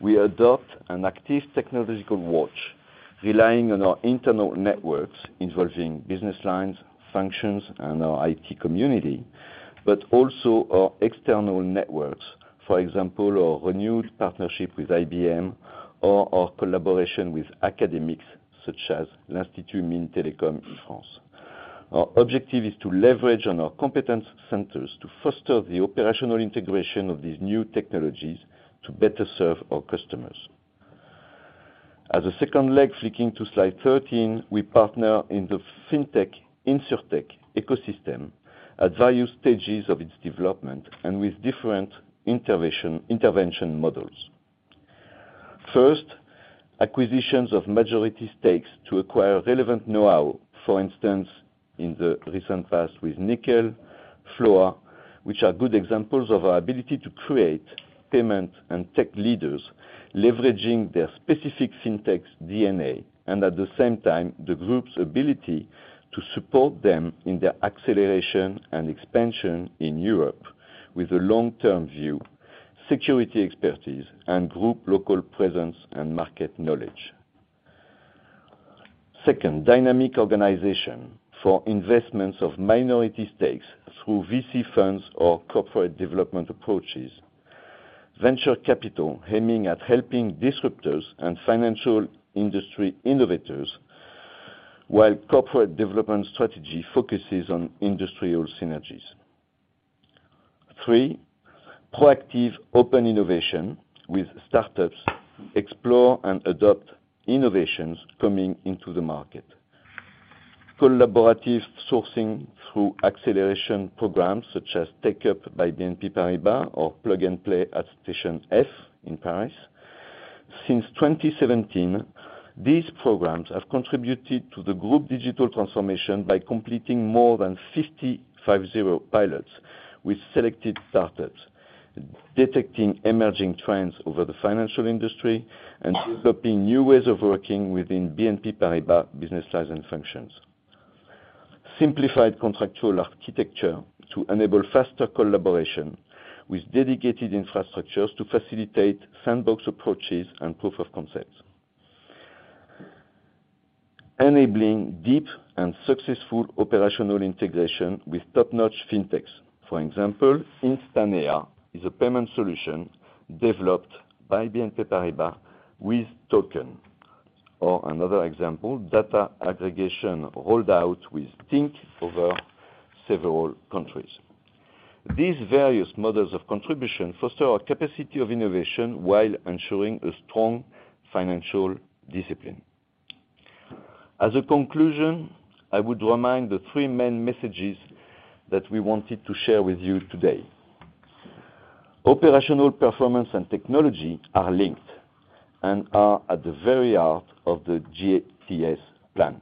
we adopt an active technological watch, relying on our internal networks involving business lines, functions, and our IT community, but also our external networks. For example, our renewed partnership with IBM or our collaboration with academics such as Institut Mines-Télécom in France. Our objective is to leverage on our competence centers to foster the operational integration of these new technologies to better serve our customers. As a second leg, flicking to slide 13, we partner in the fintech and insurtech ecosystem at various stages of its development and with different intervention models. First, acquisitions of majority stakes to acquire relevant know-how. For instance, in the recent past with Nickel, FLOA, which are good examples of our ability to create payment and tech leaders leveraging their specific fintech's DNA, and at the same time, the group's ability to support them in their acceleration and expansion in Europe with a long-term view, security expertise, and group local presence and market knowledge. Second, dynamic organization for investments of minority stakes through VC funds or corporate development approaches. Venture capital aiming at helping disruptors and financial industry innovators, while corporate development strategy focuses on industrial synergies. Third, proactive open innovation with startups explore and adopt innovations coming into the market. Collaborative sourcing through acceleration programs such as TechUp by BNP Paribas or Plug and Play at Station F in Paris. Since 2017, these programs have contributed to the group digital transformation by completing more than 550 pilots with selected startups, detecting emerging trends over the financial industry, and developing new ways of working within BNP Paribas business styles and functions. Simplified contractual architecture to enable faster collaboration with dedicated infrastructures to facilitate sandbox approaches and proof of concepts. Enabling deep and successful operational integration with top-notch fintechs. For example, Instanea is a payment solution developed by BNP Paribas with Token. Or another example, data aggregation rolled out with Tink over several countries. These various models of contribution foster our capacity of innovation while ensuring a strong financial discipline. As a conclusion, I would remind the three main messages that we wanted to share with you today. Operational performance and technology are linked and are at the very heart of the GTS plan,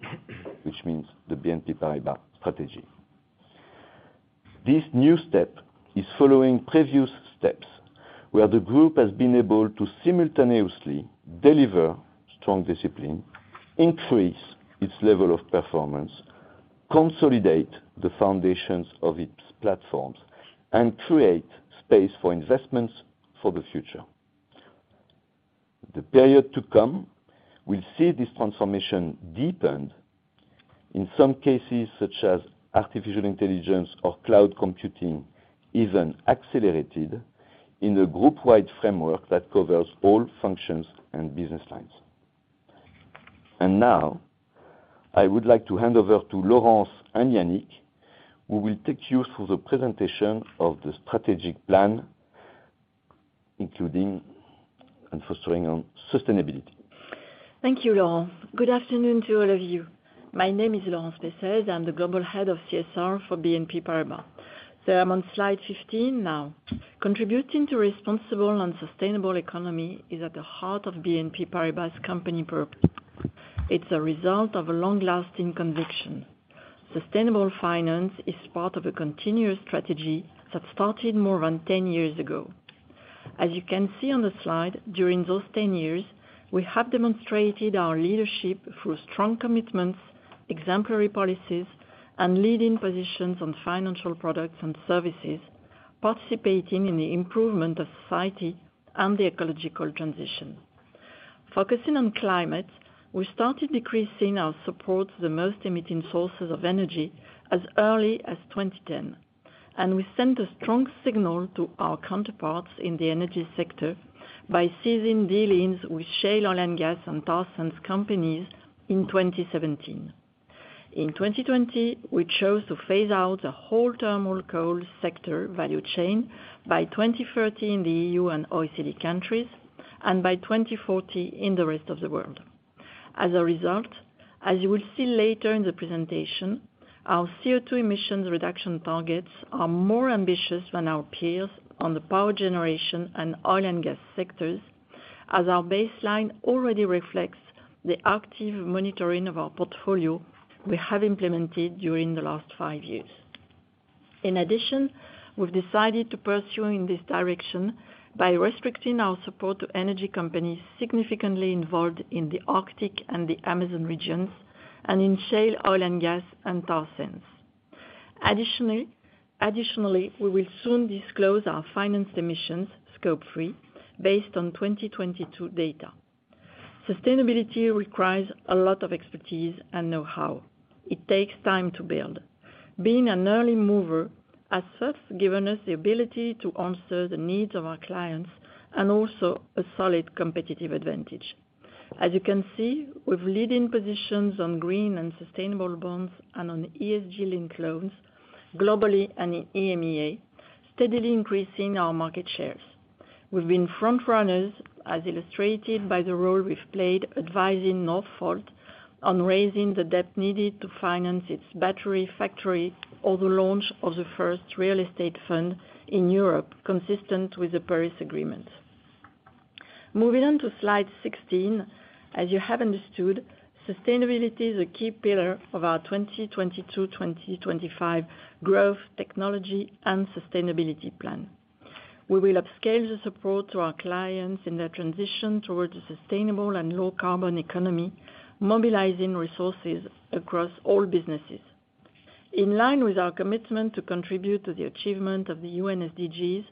which means the BNP Paribas strategy. This new step is following previous steps, where the group has been able to simultaneously deliver strong discipline, increase its level of performance, consolidate the foundations of its platforms, and create space for investments for the future. The period to come will see this transformation deepened, in some cases such as artificial intelligence or cloud computing, even accelerated in a group-wide framework that covers all functions and business lines. Now I would like to hand over to Laurence and Yannick, who will take you through the presentation of the strategic plan, including and focusing on sustainability. Thank you, Laurent. Good afternoon to all of you. My name is Laurence Pessez. I'm the Global Head of CSR for BNP Paribas. I'm on slide 15 now. Contributing to responsible and sustainable economy is at the heart of BNP Paribas' company purpose. It's a result of a long-lasting conviction. Sustainable finance is part of a continuous strategy that started more than 10 years ago. As you can see on the slide, during those 10 years, we have demonstrated our leadership through strong commitments, exemplary policies, and leading positions on financial products and services, participating in the improvement of society and the ecological transition. Focusing on climate, we started decreasing our support to the most emitting sources of energy as early as 2010, and we sent a strong signal to our counterparts in the energy sector by ceasing dealings with shale oil and gas and tar sands companies in 2017. In 2020, we chose to phase out the whole thermal coal sector value chain by 2030 in the EU and OECD countries, and by 2040 in the rest of the world. As a result, as you will see later in the presentation, our CO2 emissions reduction targets are more ambitious than our peers on the power generation and oil and gas sectors, as our baseline already reflects the active monitoring of our portfolio we have implemented during the last 5 years. In addition, we've decided to pursue in this direction by restricting our support to energy companies significantly involved in the Arctic and the Amazon regions and in shale oil and gas and tar sands. Additionally, we will soon disclose our financed emissions, Scope 3, based on 2022 data. Sustainability requires a lot of expertise and know-how. It takes time to build. Being an early mover has thus given us the ability to answer the needs of our clients and also a solid competitive advantage. As you can see, we have leading positions on green and sustainable bonds and on ESG-linked loans globally and in EMEA, steadily increasing our market shares. We've been front-runners, as illustrated by the role we've played advising Northvolt on raising the debt needed to finance its battery factory, or the launch of the first real estate fund in Europe, consistent with the Paris Agreement. Moving on to slide 16. As you have understood, sustainability is a key pillar of our 2022-2025 growth, technology, and sustainability plan. We will upscale the support to our clients in their transition towards a sustainable and low-carbon economy, mobilizing resources across all businesses. In line with our commitment to contribute to the achievement of the UN SDGs,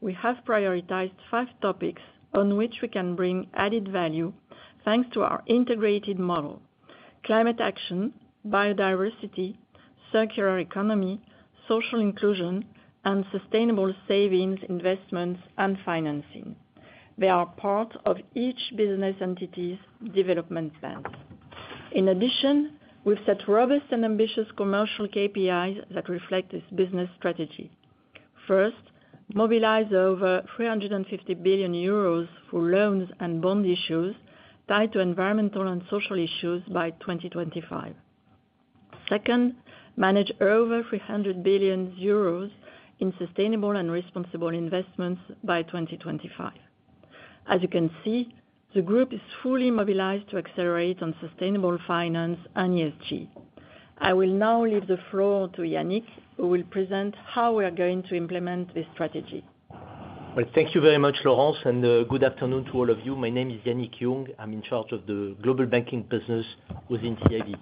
we have prioritized five topics on which we can bring added value, thanks to our integrated model. Climate action, biodiversity, circular economy, social inclusion, and sustainable savings, investments, and financing. They are part of each business entity's development plans. In addition, we've set robust and ambitious commercial KPIs that reflect this business strategy. First, mobilize over 350 billion euros for loans and bond issues tied to environmental and social issues by 2025. Second, manage over 300 billion euros in sustainable and responsible investments by 2025. As you can see, the group is fully mobilized to accelerate on sustainable finance and ESG. I will now leave the floor to Yannick, who will present how we are going to implement this strategy. Well, thank you very much, Laurence, and good afternoon to all of you. My name is Yannick Jung. I'm in charge of the global banking business within CIB.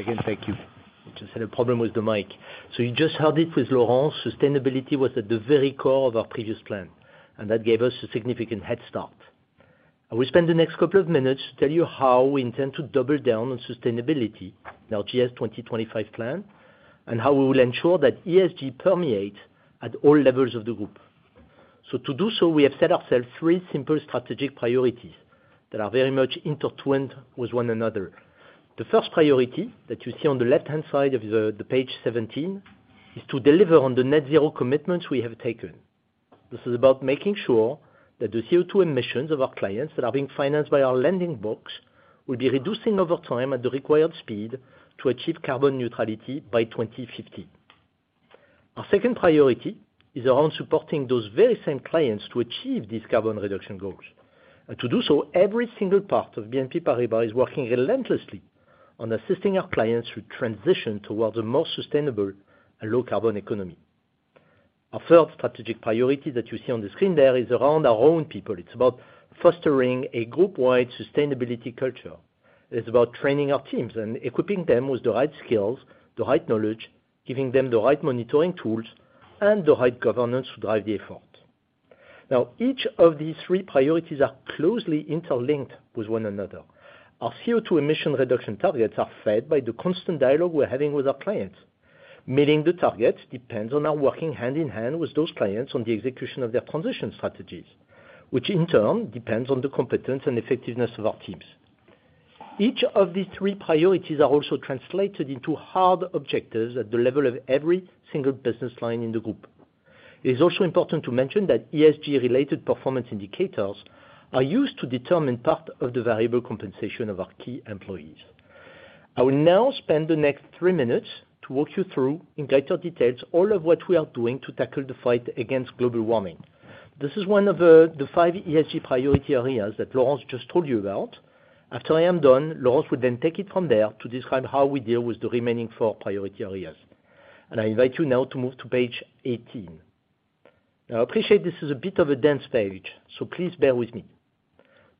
Again, thank you. Just had a problem with the mic. So you just heard it with Laurence. Sustainability was at the very core of our previous plan, and that gave us a significant head start. I will spend the next couple of minutes to tell you how we intend to double down on sustainability in our GTS 2025 plan, and how we will ensure that ESG permeates at all levels of the group. To do so, we have set ourselves three simple strategic priorities that are very much intertwined with one another. The first priority that you see on the left-hand side of the page 17 is to deliver on the net zero commitments we have taken. This is about making sure that the CO2 emissions of our clients that are being financed by our lending books will be reducing over time at the required speed to achieve carbon neutrality by 2050. Our second priority is around supporting those very same clients to achieve these carbon reduction goals. To do so, every single part of BNP Paribas is working relentlessly on assisting our clients to transition towards a more sustainable and low carbon economy. Our third strategic priority that you see on the screen there is around our own people. It's about fostering a group-wide sustainability culture. It's about training our teams and equipping them with the right skills, the right knowledge, giving them the right monitoring tools, and the right governance to drive the effort. Now, each of these three priorities are closely interlinked with one another. Our CO2 emission reduction targets are fed by the constant dialogue we're having with our clients. Meeting the targets depends on our working hand in hand with those clients on the execution of their transition strategies, which in turn depends on the competence and effectiveness of our teams. Each of these three priorities are also translated into hard objectives at the level of every single business line in the group. It is also important to mention that ESG-related performance indicators are used to determine part of the variable compensation of our key employees. I will now spend the next three minutes to walk you through, in greater details, all of what we are doing to tackle the fight against global warming. This is one of the five ESG priority areas that Laurence just told you about. After I am done, Laurence will then take it from there to describe how we deal with the remaining four priority areas. I invite you now to move to page 18. Now I appreciate this is a bit of a dense page, so please bear with me.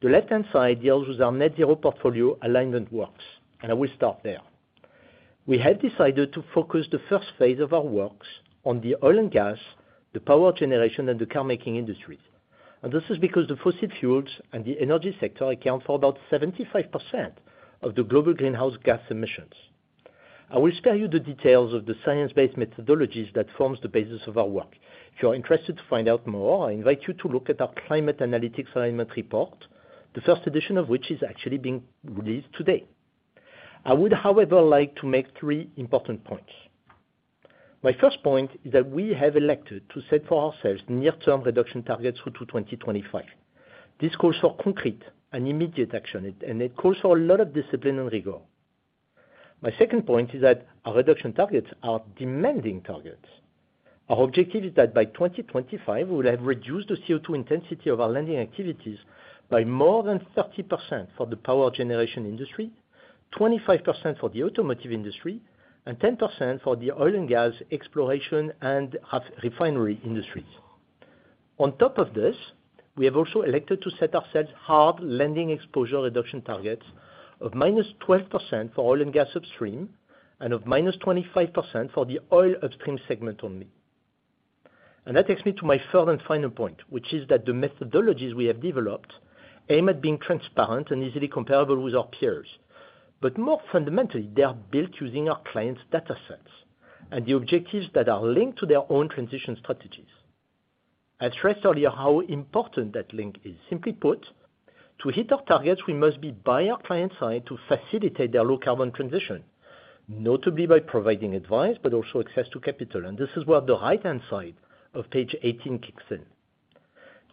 The left-hand side deals with our net zero portfolio alignment works, and I will start there. We have decided to focus the first phase of our works on the oil and gas, the power generation, and the carmaking industry. This is because the fossil fuels and the energy sector account for about 75% of the global greenhouse gas emissions. I will spare you the details of the science-based methodologies that forms the basis of our work. If you are interested to find out more, I invite you to look at our climate analytics alignment report, the first edition of which is actually being released today. I would, however, like to make three important points. My first point is that we have elected to set for ourselves near-term reduction targets through to 2025. These calls for concrete and immediate action and it calls for a lot of discipline and rigor. My second point is that our reduction targets are demanding targets. Our objective is that by 2025, we'll have reduced the CO2 intensity of our lending activities by more than 30% for the power generation industry, 25% for the automotive industry, and 10% for the oil and gas exploration and refinery industries. On top of this, we have also elected to set ourselves hard lending exposure reduction targets of -12% for oil and gas upstream, and of -25% for the oil upstream segment only. That takes me to my third and final point, which is that the methodologies we have developed aim at being transparent and easily comparable with our peers. More fundamentally, they are built using our clients' data sets and the objectives that are linked to their own transition strategies. I stressed earlier how important that link is. Simply put, to hit our targets, we must be by our client's side to facilitate their low carbon transition, notably by providing advice but also access to capital. This is where the right-hand side of page 18 kicks in.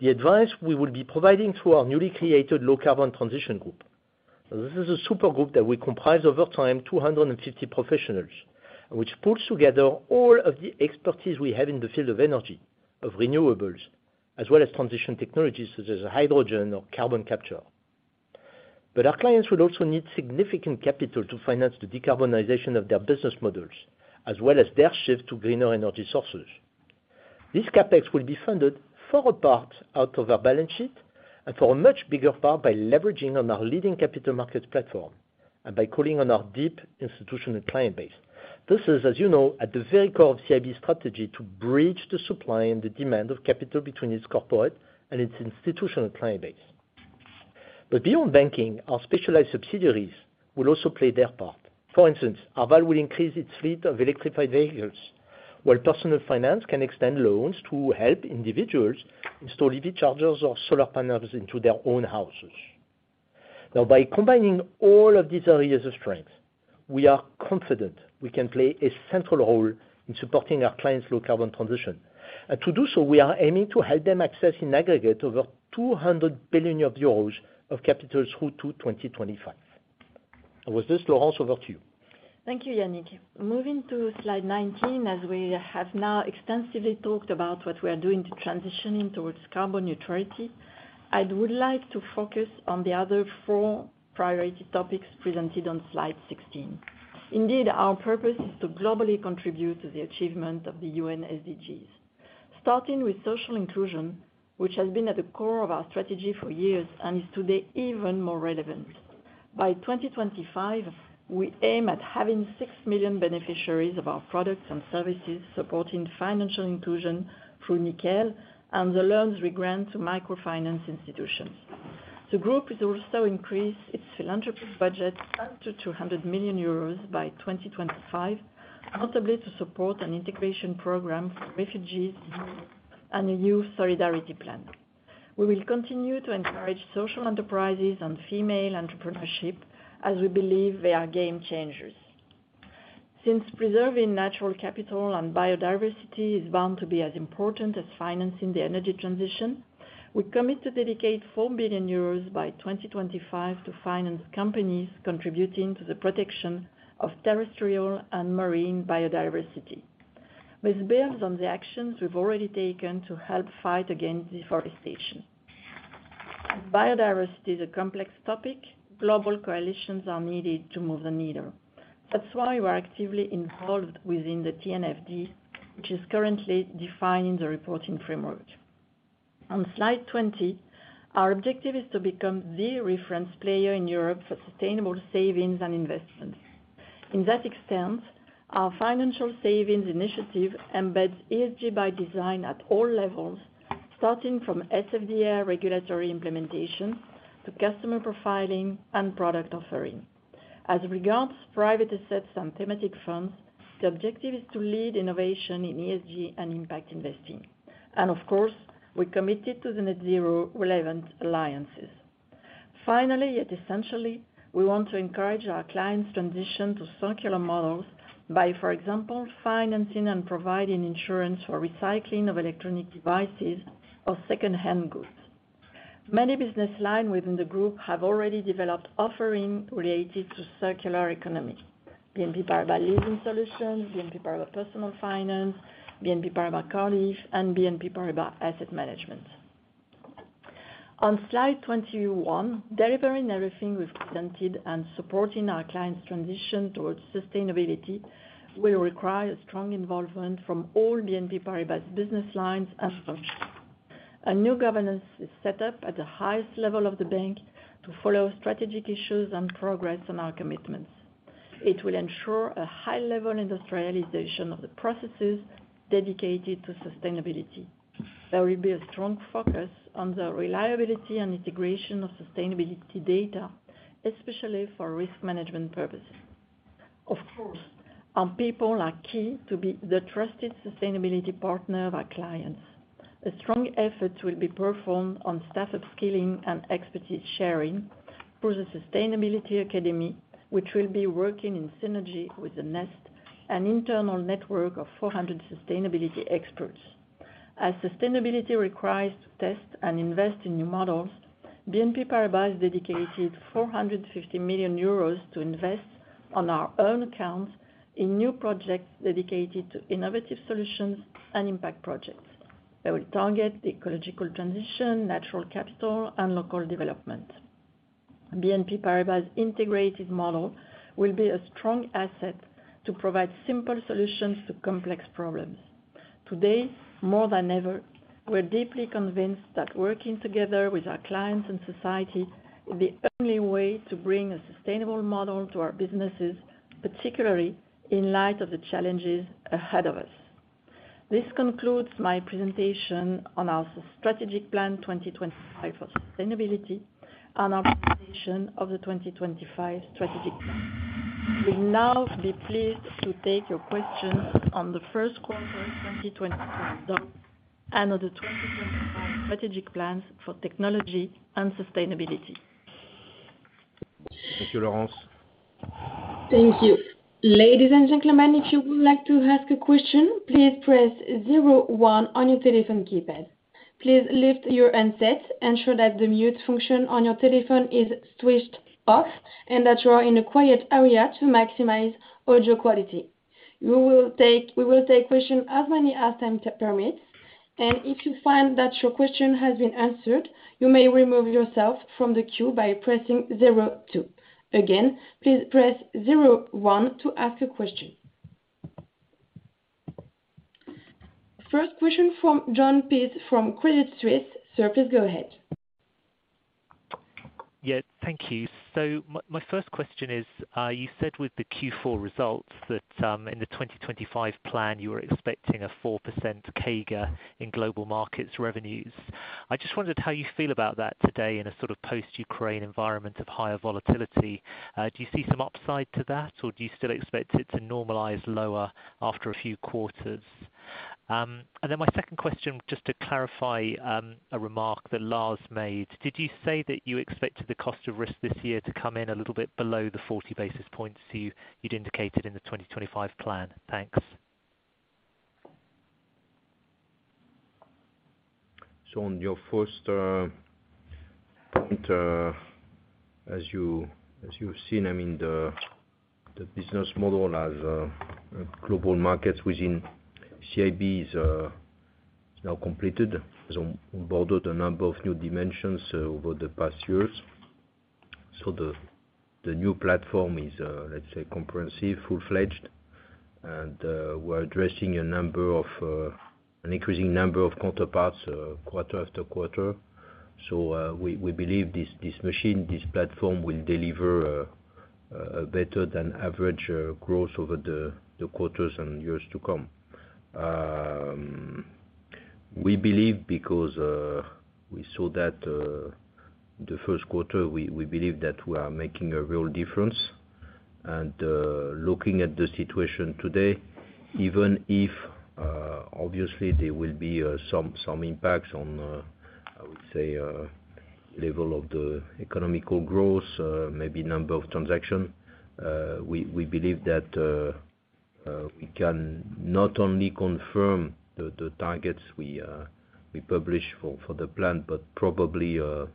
The advice we will be providing through our newly created low carbon transition group. This is a super group that will comprise over time 250 professionals, which pulls together all of the expertise we have in the field of energy, of renewables, as well as transition technologies such as hydrogen or carbon capture. Our clients will also need significant capital to finance the decarbonization of their business models, as well as their shift to greener energy sources. This CapEx will be funded for a part out of our balance sheet and for a much bigger part by leveraging on our leading capital markets platform and by calling on our deep institutional client base. This is, as you know, at the very core of CIB's strategy to bridge the supply and the demand of capital between its corporate and its institutional client base. Beyond banking, our specialized subsidiaries will also play their part. For instance, Arval will increase its fleet of electrified vehicles, while Personal Finance can extend loans to help individuals install EV chargers or solar panels into their own houses. Now, by combining all of these areas of strength, we are confident we can play a central role in supporting our clients' low carbon transition. To do so, we are aiming to help them access, in aggregate, over 200 billion euros of capital through to 2025. With this, Laurence, over to you. Thank you, Yannick. Moving to slide 19, as we have now extensively talked about what we are doing to transition towards carbon neutrality, I would like to focus on the other four priority topics presented on slide 16. Indeed, our purpose is to globally contribute to the achievement of the UN SDGs. Starting with social inclusion, which has been at the core of our strategy for years and is today even more relevant. By 2025, we aim at having 6 million beneficiaries of our products and services, supporting financial inclusion through Nickel and the loans we grant to microfinance institutions. The group has also increased its philanthropic budget up to 200 million euros by 2025, notably to support an integration program for refugees and a youth solidarity plan. We will continue to encourage social enterprises and female entrepreneurship as we believe they are game changers. Since preserving natural capital and biodiversity is bound to be as important as financing the energy transition, we commit to dedicate 4 billion euros by 2025 to finance companies contributing to the protection of terrestrial and marine biodiversity, which builds on the actions we've already taken to help fight against deforestation. Biodiversity is a complex topic. Global coalitions are needed to move the needle. That's why we're actively involved within the TNFD, which is currently defining the reporting framework. On slide 20, our objective is to become the reference player in Europe for sustainable savings and investments. In that extent, our financial savings initiative embeds ESG by design at all levels, starting from SFDR regulatory implementation to customer profiling and product offering. As regards private assets and thematic funds, the objective is to lead innovation in ESG and impact investing. Of course, we're committed to the net zero relevant alliances. Finally, yet essentially, we want to encourage our clients transition to circular models by, for example, financing and providing insurance for recycling of electronic devices or second-hand goods. Many business line within the group have already developed offering related to circular economy. BNP Paribas Leasing Solutions, BNP Paribas Personal Finance, BNP Paribas Cardif, and BNP Paribas Asset Management. On slide 21, delivering everything we've presented and supporting our clients transition towards sustainability will require a strong involvement from all BNP Paribas business lines and functions. A new governance is set up at the highest level of the bank to follow strategic issues and progress on our commitments. It will ensure a high-level industrialization of the processes dedicated to sustainability. There will be a strong focus on the reliability and integration of sustainability data, especially for risk management purposes. Of course, our people are key to be the trusted sustainability partner of our clients. A strong effort will be performed on staff upskilling and expertise sharing through the Sustainability Academy, which will be working in synergy with the NEST, an internal network of 400 sustainability experts. As sustainability requires to test and invest in new models, BNP Paribas dedicated to 450 million euros to invest on our own accounts in new projects dedicated to innovative solutions and impact projects that will target ecological transition, natural capital, and local development. BNP Paribas integrated model will be a strong asset to provide simple solutions to complex problems. Today, more than ever, we're deeply convinced that working together with our clients and society is the only way to bring a sustainable model to our businesses, particularly in light of the challenges ahead of us. This concludes my presentation on our strategic plan 2025 for sustainability and our presentation of the 2025 strategic plan. We'll now be pleased to take your questions on the first quarter 2025 and on the 2025 strategic plans for technology and sustainability. Thank you, Laurence. Thank you. Ladies and gentlemen, if you would like to ask a question, please press zero one on your telephone keypad. Please lift your handsets, ensure that the mute function on your telephone is switched off, and that you are in a quiet area to maximize audio quality. We will take questions as many as time permits, and if you find that your question has been answered, you may remove yourself from the queue by pressing zero two. Again, please press zero one to ask a question. First question from Jon Peace from Credit Suisse. Sir, please go ahead. Yeah. Thank you. My first question is, you said with the Q4 results that, in the 2025 plan, you were expecting a 4% CAGR in Global Markets revenues. I just wondered how you feel about that today in a sort of post-Ukraine environment of higher volatility. Do you see some upside to that, or do you still expect it to normalize lower after a few quarters? And then my second question, just to clarify, a remark that Lars made, did you say that you expected the cost of risk this year to come in a little bit below the 40 basis points you'd indicated in the 2025 plan? Thanks. On your first point, as you've seen, I mean, the business model of Global Markets within CIB is now completed, has on-boarded a number of new dimensions over the past years. The new platform is, let's say, comprehensive, full-fledged, and we're addressing an increasing number of counterparts quarter after quarter. We believe this machine, this platform will deliver a better than average growth over the quarters and years to come. We believe because we saw that the first quarter, we believe that we are making a real difference. Looking at the situation today, even if obviously there will be some impacts on, I would say, level of the economic growth, maybe number of transactions, we believe that we can not only confirm the targets we publish for the plan, but probably the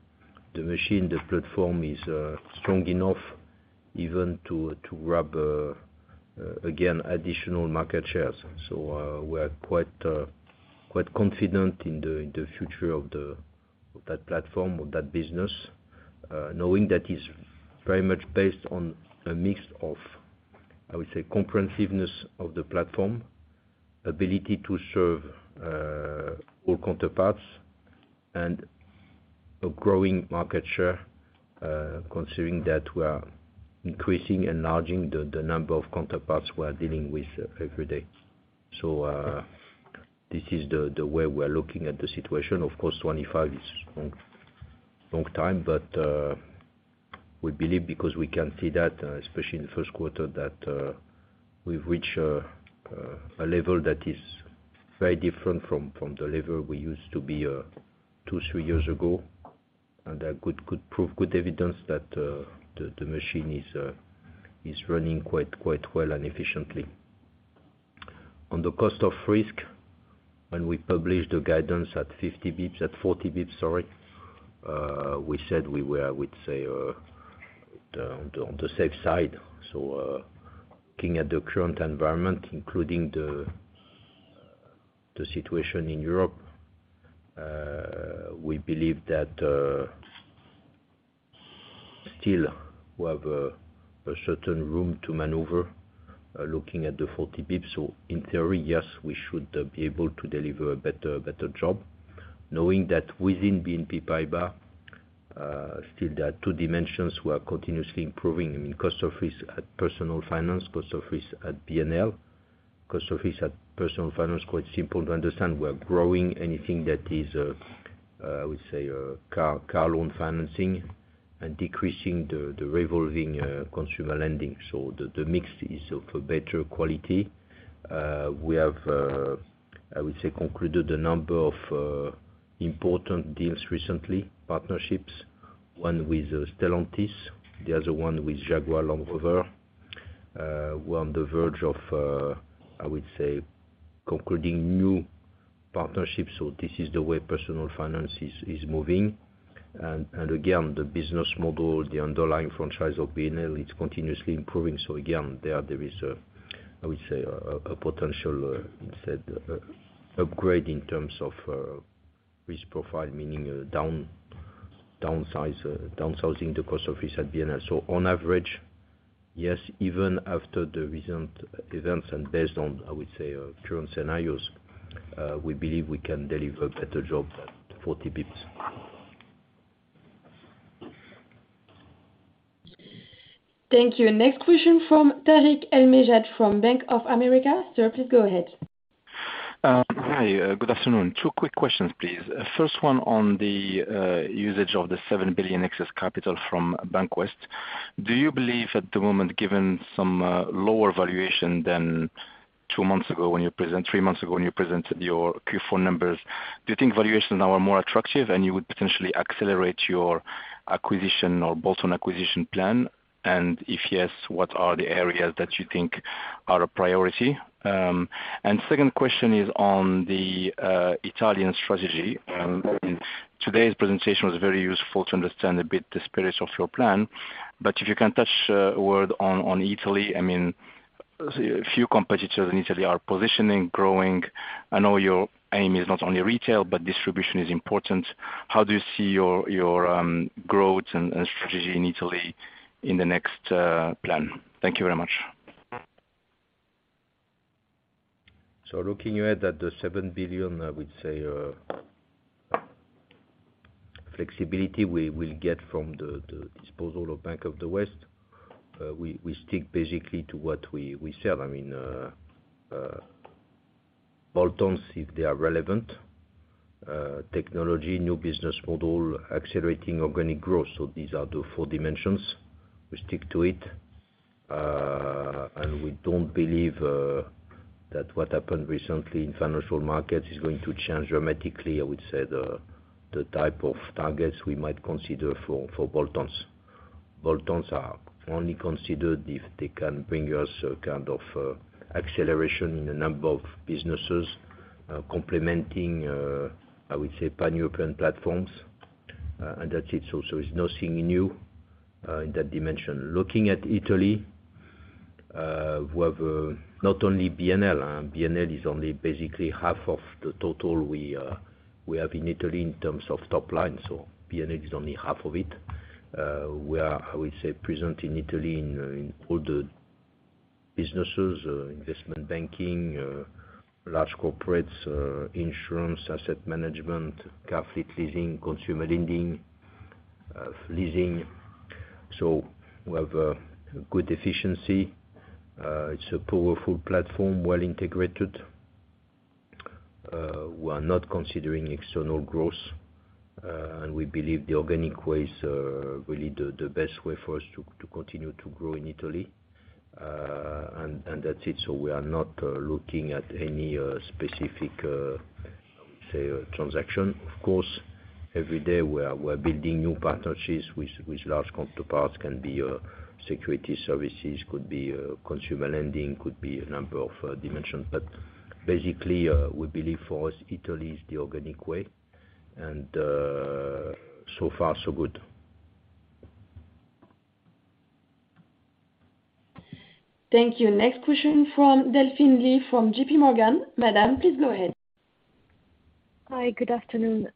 machine, the platform is strong enough even to grab again, additional market shares. We are quite confident in the future of that platform, of that business, knowing that is very much based on a mix of, I would say, comprehensiveness of the platform, ability to serve all counterparts, and a growing market share, considering that we are increasing and enlarging the number of counterparts we are dealing with every day. This is the way we're looking at the situation. Of course, 25 is a long time, but we believe because we can see that, especially in the first quarter, that we've reached a level that is very different from the level we used to be two to three years ago. A good proof, good evidence that the machine is running quite well and efficiently. On the cost of risk, when we published the guidance at 50 basis points. At 40 basis points, sorry, we said we were, I would say, on the safe side. Looking at the current environment, including the situation in Europe, we believe that still we have a certain room to maneuver, looking at the 40 basis points. In theory, yes, we should be able to deliver a better job. Knowing that within BNP Paribas, still there are two dimensions we are continuously improving. I mean, cost of risk at Personal Finance, cost of risk at BNL. Cost of risk at Personal Finance, quite simple to understand. We are growing anything that is, I would say, car loan financing and decreasing the revolving consumer lending. The mix is of a better quality. We have, I would say, concluded a number of important deals recently, partnerships, one with Stellantis, the other one with Jaguar Land Rover. We're on the verge of, I would say, concluding new partnerships. This is the way Personal Finance is moving. And again, the business model, the underlying franchise of BNL, it's continuously improving. Again, there is a potential upgrade in terms of risk profile, meaning downsizing the cost of risk at BNL. On average, yes, even after the recent events, and based on, I would say, current scenarios, we believe we can deliver better job at 40 basis points. Thank you. Next question from Tarik El Mejjad from Bank of America. Sir, please go ahead. Hi, good afternoon. Two quick questions, please. First one on the usage of the 7 billion excess capital from Banquest. Do you believe at the moment, given some lower valuation than three months ago when you presented your Q4 numbers, do you think valuations now are more attractive and you would potentially accelerate your acquisition or bolt-on acquisition plan? And if yes, what are the areas that you think are a priority? Second question is on the Italian strategy. I mean, today's presentation was very useful to understand a bit the spirit of your plan. If you can touch a word on Italy, I mean, a few competitors in Italy are positioning, growing. I know your aim is not only retail, but distribution is important. How do you see your growth and strategy in Italy in the next plan? Thank you very much. Looking at that, the EUR 7 billion flexibility we will get from the disposal of Bank of the West, we stick basically to what we said. I mean, bolt-ons, if they are relevant, technology, new business model, accelerating organic growth. These are the four dimensions. We stick to it. We don't believe that what happened recently in financial markets is going to change dramatically, I would say, the type of targets we might consider for bolt-ons. Bolt-ons are only considered if they can bring us a kind of acceleration in the number of businesses, complementing, I would say, pan-European platforms. That's it. It's nothing new in that dimension. Looking at Italy, we have not only BNL. BNL is only basically half of the total we have in Italy in terms of top line. BNL is only half of it. We are, I would say, present in Italy in all the businesses, investment banking, large corporates, insurance, asset management, car fleet leasing, consumer lending, leasing. We have a good efficiency. It's a powerful platform, well integrated. We are not considering external growth, and we believe the organic way is really the best way for us to continue to grow in Italy. That's it. We are not looking at any specific, how we say, transaction. Of course, every day we're building new partnerships with large counterparts, can be Securities Services, could be consumer lending, could be a number of dimensions. Basically, we believe for us, Italy is the organic way, and so far so good. Thank you. Next question from Delphine Lee from JPMorgan. Madame, please go ahead. Hi, good afternoon.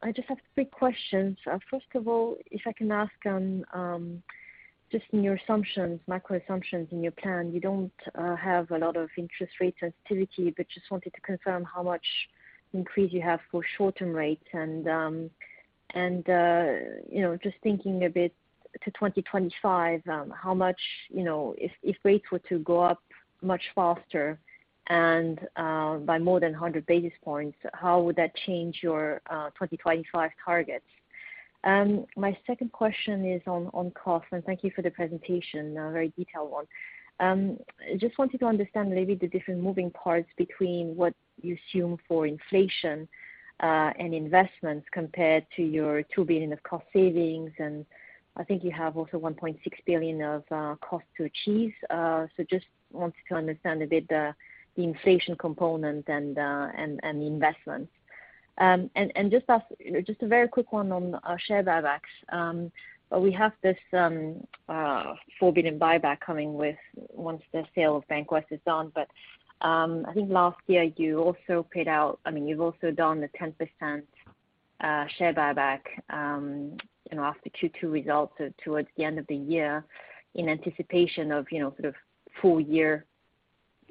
I just have quick questions. First of all, if I can ask on just in your assumptions, macro assumptions in your plan, you don't have a lot of interest rate sensitivity, but just wanted to confirm how much increase you have for short-term rates. You know, just thinking a bit to 2025, how much, you know, if rates were to go up much faster and by more than 100 basis points, how would that change your 2025 targets? My second question is on cost. Thank you for the presentation, a very detailed one. Just wanted to understand maybe the different moving parts between what you assume for inflation and investments compared to your 2 billion of cost savings. I think you have also 1.6 billion of cost to achieve. Just wanted to understand a bit the inflation component and the investments. Just a very quick one on share buybacks. We have this EUR 4 billion buyback coming once the sale of Bank of the West is done. I think last year you also paid out. I mean, you've also done the 10% share buyback, you know, after Q2 results towards the end of the year in anticipation of, you know, sort of full year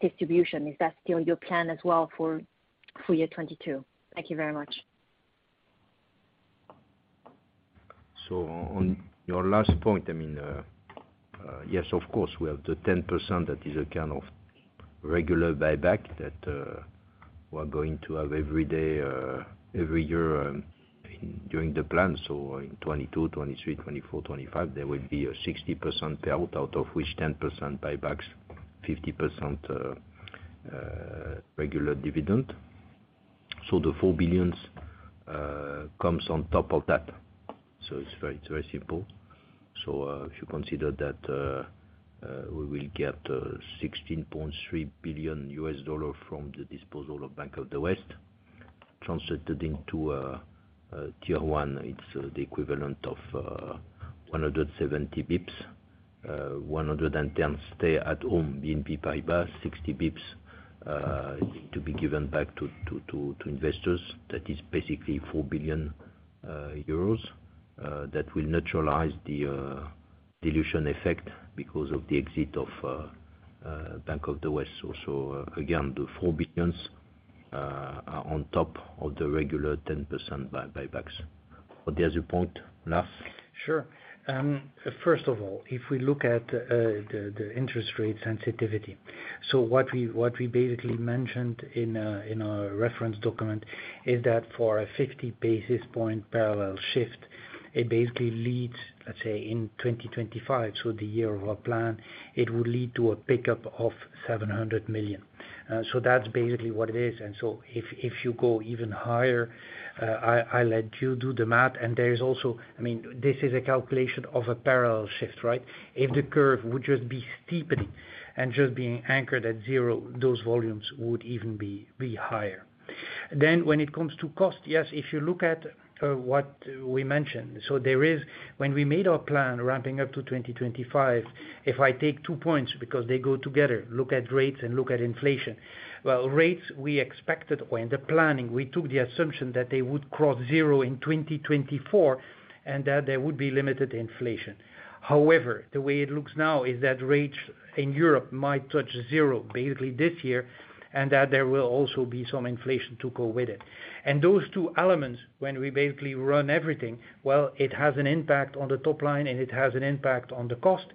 distribution. Is that still your plan as well for full year 2022? Thank you very much. On your last point, I mean, yes, of course, we have the 10% that is a kind of regular buyback that we're going to have every year during the plan. In 2022, 2023, 2024, 2025, there will be a 60% payout, out of which 10% buybacks, 50% regular dividend. The 4 billion comes on top of that. It's very simple. If you consider that we will get $16.3 billion from the disposal of Bank of the West, translated into Tier 1, it's the equivalent of 170 basis points, 110 basis points stay in BNP Paribas, 60 basis points to be given back to investors. That is basically 4 billion euros that will neutralize the dilution effect because of the exit of Bank of the West. Again, the 4 billion are on top of the regular 10% buybacks. Are there other points, Lars? Sure. First of all, if we look at the interest rate sensitivity. What we basically mentioned in our reference document is that for a 50 basis point parallel shift, it basically leads, let's say, in 2025, so the year of our plan, it would lead to a pickup of 700 million. That's basically what it is. If you go even higher, I let you do the math. There is also, I mean, this is a calculation of a parallel shift, right? If the curve would just be steepening and just being anchored at zero, those volumes would even be higher. When it comes to cost, yes, if you look at what we mentioned, there is, when we made our plan ramping up to 2025, if I take two points because they go together, look at rates and look at inflation. Well, rates we expected when planning, we took the assumption that they would cross zero in 2024, and that there would be limited inflation. However, the way it looks now is that rates in Europe might touch zero basically this year, and that there will also be some inflation to go with it. Those two elements, when we basically run everything, it has an impact on the top line and it has an impact on the cost.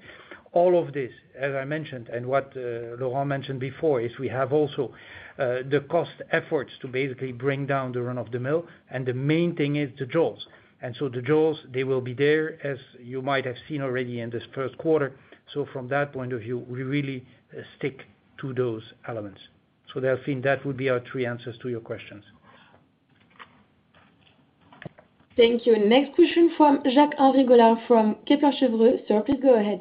All of this, as I mentioned, and what Laurent mentioned before, is we have also the cost efforts to basically bring down the run rate, and the main thing is the jaws. The jaws, they will be there, as you might have seen already in this first quarter. From that point of view, we really stick to those elements. Delphine, that would be our three answers to your questions. Thank you. Next question from Jacques-Henri Gaulard from Kepler Cheuvreux. Sir, please go ahead.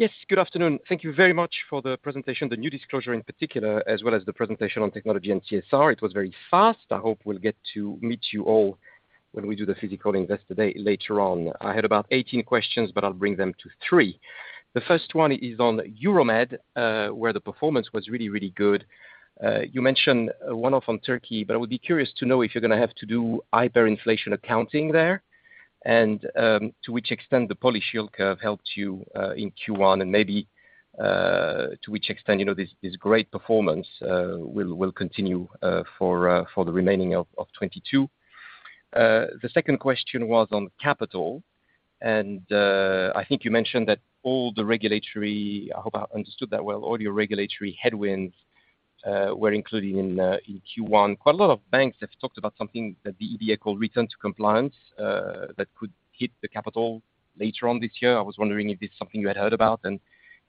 Yes, good afternoon. Thank you very much for the presentation, the new disclosure in particular, as well as the presentation on technology and CSR. It was very fast. I hope we'll get to meet you all when we do the physical investor day later on. I had about 18 questions, but I'll bring them to three. The first one is on Euromed, where the performance was really good. You mentioned one-off on Turkey, but I would be curious to know if you're gonna have to do hyperinflation accounting there, and to which extent the policy yield curve helped you in Q1, and maybe to which extent, you know, this great performance will continue for the remaining of 2022. The second question was on capital, and I think you mentioned that all the regulatory... I hope I understood that well, all your regulatory headwinds were included in Q1. Quite a lot of banks have talked about something that the EBA calls return to compliance, that could hit the capital later on this year. I was wondering if it's something you had heard about, and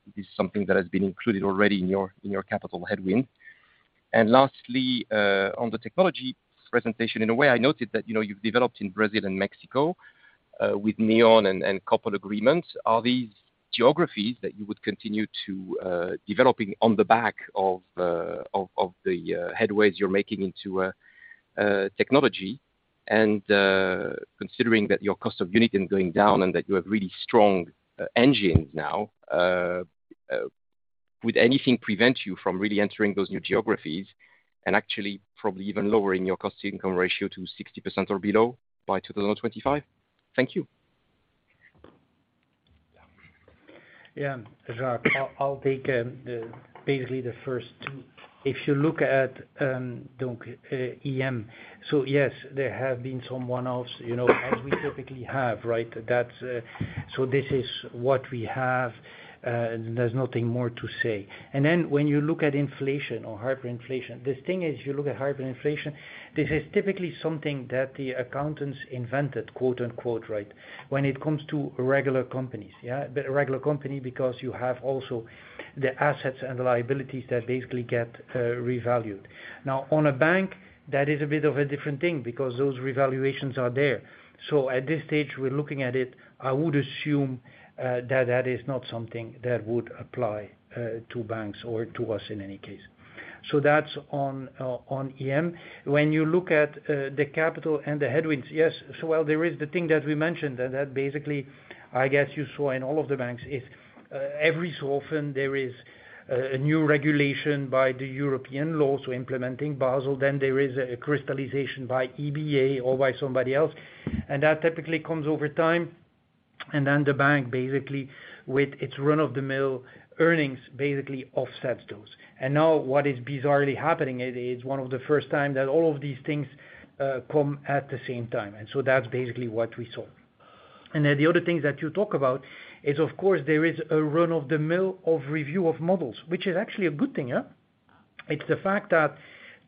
if it's something that has been included already in your capital headwind. Lastly, on the technology presentation, in a way I noted that, you know, you've developed in Brazil and Mexico, with Neon and a couple agreements. Are these geographies that you would continue to develop on the back of the headways you're making into technology? Considering that your cost of unit is going down and that you have really strong engines now, would anything prevent you from really entering those new geographies and actually probably even lowering your cost-to-income ratio to 60% or below by 2025? Thank you. Yeah. Jacques, I'll take basically the first two. If you look at the EM. Yes, there have been some one-offs, you know, as we typically have, right? That's. This is what we have. There's nothing more to say. Then when you look at inflation or hyperinflation, the thing is, you look at hyperinflation, this is typically something that the accountants invented, quote, unquote, right? When it comes to regular companies, yeah. But a regular company because you have also the assets and liabilities that basically get revalued. Now, on a bank, that is a bit of a different thing because those revaluations are there. At this stage, we're looking at it. I would assume that that is not something that would apply to banks or to us in any case. That's on EM. When you look at the capital and the headwinds, yes. While there is the thing that we mentioned, and that basically, I guess you saw in all of the banks, is every so often there is a new regulation by the European law, so implementing Basel, then there is a crystallization by EBA or by somebody else. That typically comes over time, and then the bank basically with its run-of-the-mill earnings basically offsets those. Now what is bizarrely happening is one of the first time that all of these things come at the same time. That's basically what we saw. The other things that you talk about is of course there is a run-of-the-mill of review of models, which is actually a good thing, yeah. It's the fact that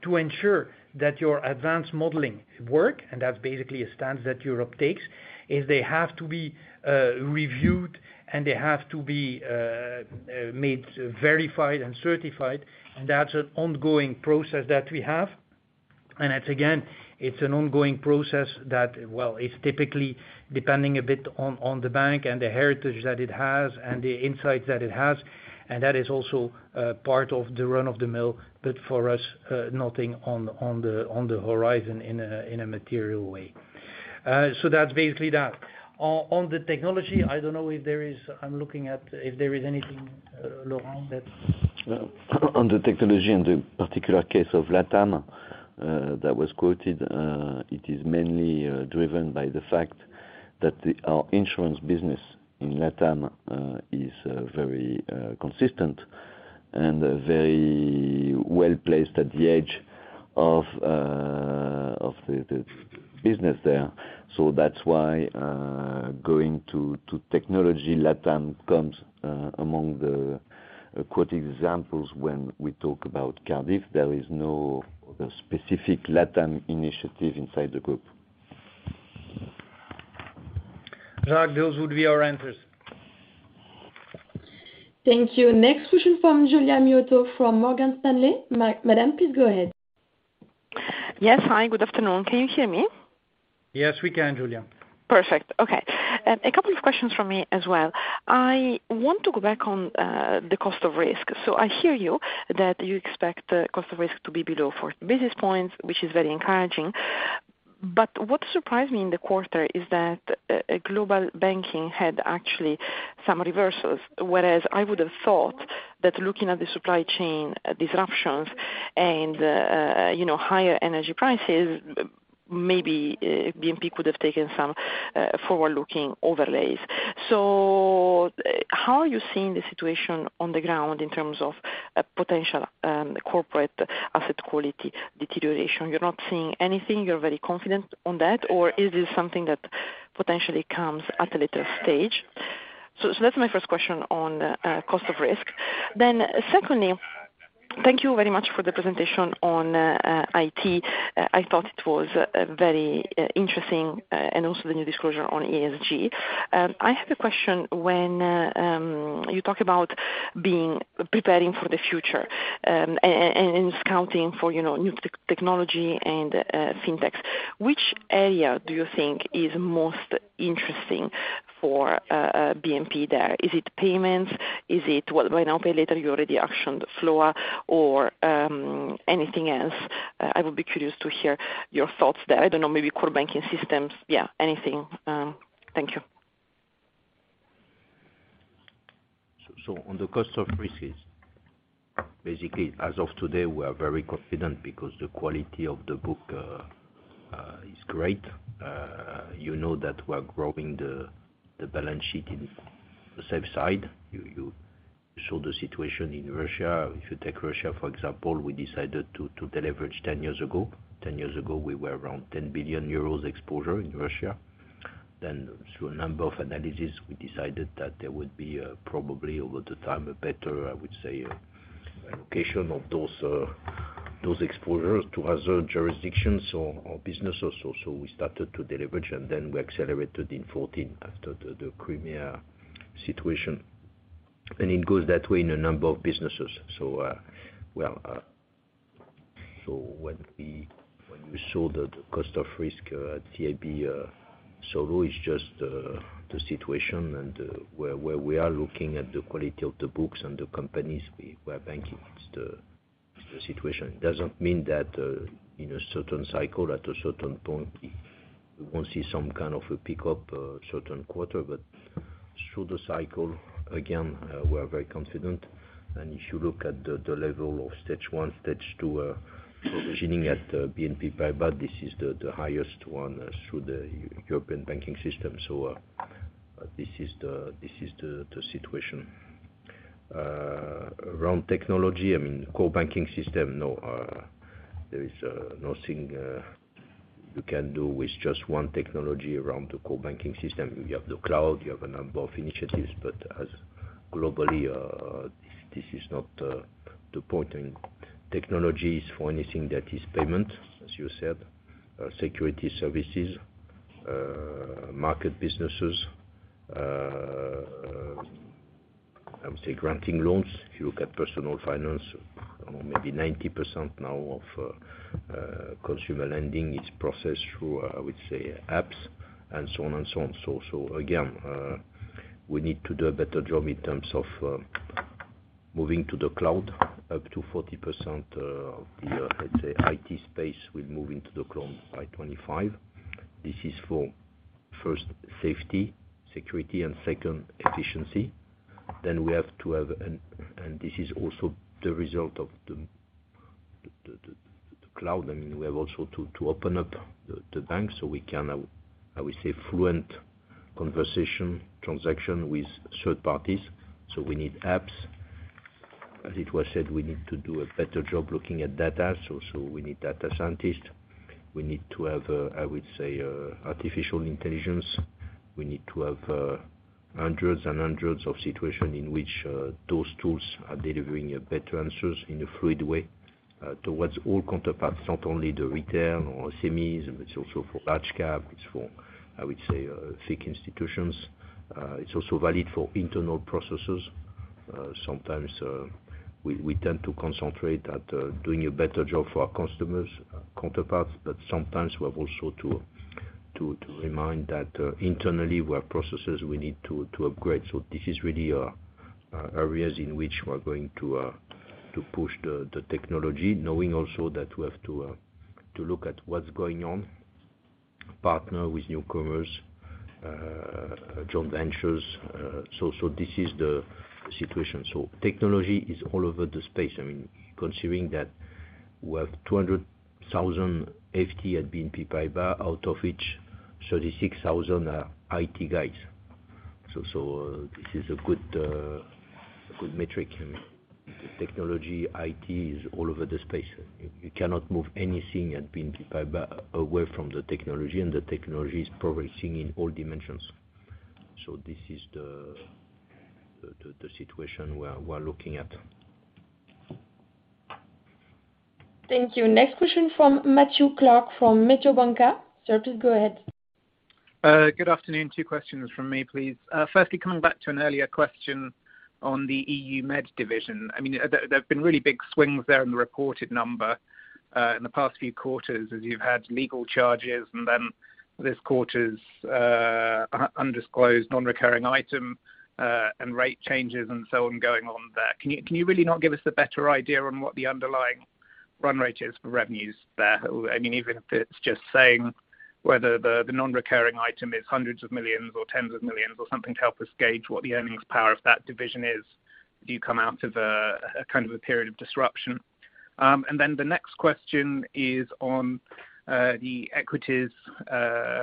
to ensure that your advanced modeling work, and that's basically a stance that Europe takes, is they have to be reviewed and made verified and certified, and that's an ongoing process that we have. It's again an ongoing process that, well, it's typically depending a bit on the bank and the heritage that it has and the insights that it has, and that is also part of the run-of-the-mill, but for us, nothing on the horizon in a material way. So that's basically that. On the technology, I don't know if there is. I'm looking at if there is anything, Laurent, that. On the technology, in the particular case of LATAM that was quoted, it is mainly driven by the fact that our insurance business in LATAM is very consistent and very well-placed at the edge of the business there. That's why, going to technology, LATAM comes among the quoted examples when we talk about Cardif. There is no specific LATAM initiative inside the group. Jacques, those would be our answers. Thank you. Next question from Giulia Aurora Miotto from Morgan Stanley. Madam, please go ahead. Yes. Hi, good afternoon. Can you hear me? Yes, we can, Giulia. Perfect. Okay. A couple of questions from me as well. I want to go back on the cost of risk. I hear you that you expect the cost of risk to be below 40 basis points, which is very encouraging. What surprised me in the quarter is that Global Banking had actually some reversals, whereas I would have thought that looking at the supply chain disruptions and you know higher energy prices, maybe BNP could have taken some forward-looking overlays. How are you seeing the situation on the ground in terms of potential corporate asset quality deterioration? You're not seeing anything, you're very confident on that, or is this something that potentially comes at a later stage? That's my first question on cost of risk. Thank you very much for the presentation on IT. I thought it was very interesting, and also the new disclosure on ESG. I have a question when you talk about preparing for the future, and scouting for, you know, new technology and fintechs, which area do you think is most interesting for BNP there? Is it payments? Is it buy now pay later you already actioned FLOA or anything else? I would be curious to hear your thoughts there. I don't know, maybe core banking systems. Yeah, anything. Thank you. On the cost of risks, basically as of today, we are very confident because the quality of the book is great. You know that we're growing the balance sheet on the safe side. You saw the situation in Russia. If you take Russia for example, we decided to deleverage ten years ago. Ten years ago, we were around 10 billion euros exposure in Russia. Through a number of analysis, we decided that there would be probably over time a better, I would say, allocation of those exposures to other jurisdictions or businesses. We started to deleverage, and then we accelerated in 2014 after the Crimea situation. It goes that way in a number of businesses. When we saw that the cost of risk at CIB so low is just the situation and where we are looking at the quality of the books and the companies we are banking, it's the situation. It doesn't mean that in a certain cycle at a certain point we won't see some kind of a pickup in a certain quarter. Through the cycle, again, we're very confident. If you look at the level of stage one, stage two provisioning at BNP Paribas, this is the highest one through the European banking system. This is the situation. Around technology, I mean, core banking system, no, there is nothing you can do with just one technology around the core banking system. You have the cloud, you have a number of initiatives, but globally, this is not the point. Technology is for anything that is payments, as you said, Securities Services, Global Markets, I would say granting loans. If you look at Personal Finance, maybe 90% now of consumer lending is processed through, I would say, apps and so on and so on. Again, we need to do a better job in terms of moving to the cloud up to 40% of the, let's say, IT space will move into the cloud by 2025. This is for first safety, security, and second efficiency. Then we have to have. This is also the result of the cloud. I mean, we have also to open up the bank so we can have, I would say, fluent conversational transaction with third parties. We need apps. As it was said, we need to do a better job looking at data, so we need data scientists. We need to have, I would say, artificial intelligence. We need to have hundreds and hundreds of situations in which those tools are delivering better answers in a fluid way towards all counterparts, not only the retail or SMEs, but it's also for large cap. It's for, I would say, big institutions. It's also valid for internal processes. Sometimes we tend to concentrate at doing a better job for our customers, counterparts, but sometimes we have also to remind that internally we have processes we need to upgrade. This is really areas in which we're going to to push the technology, knowing also that we have to to look at what's going on, partner with newcomers, joint ventures. This is the situation. Technology is all over the space. I mean, considering that we have 200,000 FTEs at BNP Paribas, out of which 36,000 are IT guys. This is a good metric. The technology IT is all over the space. You cannot move anything at BNP Paribas away from the technology, and the technology is progressing in all dimensions. This is the situation we're looking at. Thank you. Next question from Matthew Clark from Mediobanca. Sir, please go ahead. Good afternoon. Two questions from me, please. Firstly, coming back to an earlier question on the EU Med division. I mean, there have been really big swings there in the reported number in the past few quarters as you've had legal charges and then this quarter's undisclosed non-recurring item and rate changes and so on going on there. Can you really not give us a better idea on what the underlying run rate is for revenues there? I mean, even if it's just saying whether the non-recurring item is hundreds of millions EUR or tens of millions EUR or something to help us gauge what the earnings power of that division is as you come out of a kind of period of disruption. The next question is on the equities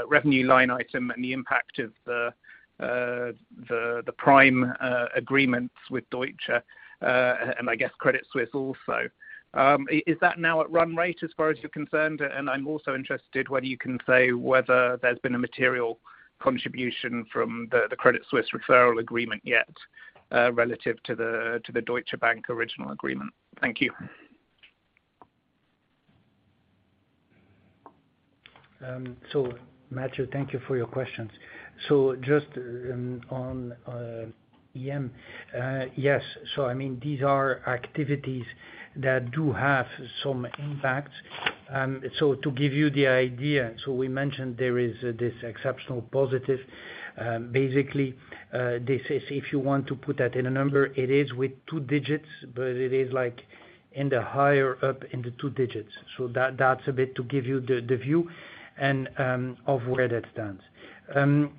revenue line item and the impact of the Prime agreements with Deutsche Bank and I guess Credit Suisse also. Is that now at run rate as far as you're concerned? I'm also interested whether you can say whether there's been a material contribution from the Credit Suisse referral agreement yet, relative to the Deutsche Bank original agreement. Thank you. Matthew, thank you for your questions. Just on EM, yes. I mean these are activities that do have some impact. To give you the idea, we mentioned there is this exceptional positive, basically, this is if you want to put that in a number, it is with two digits, but it is like in the higher up in the two digits. That, that's a bit to give you the view and of where that stands.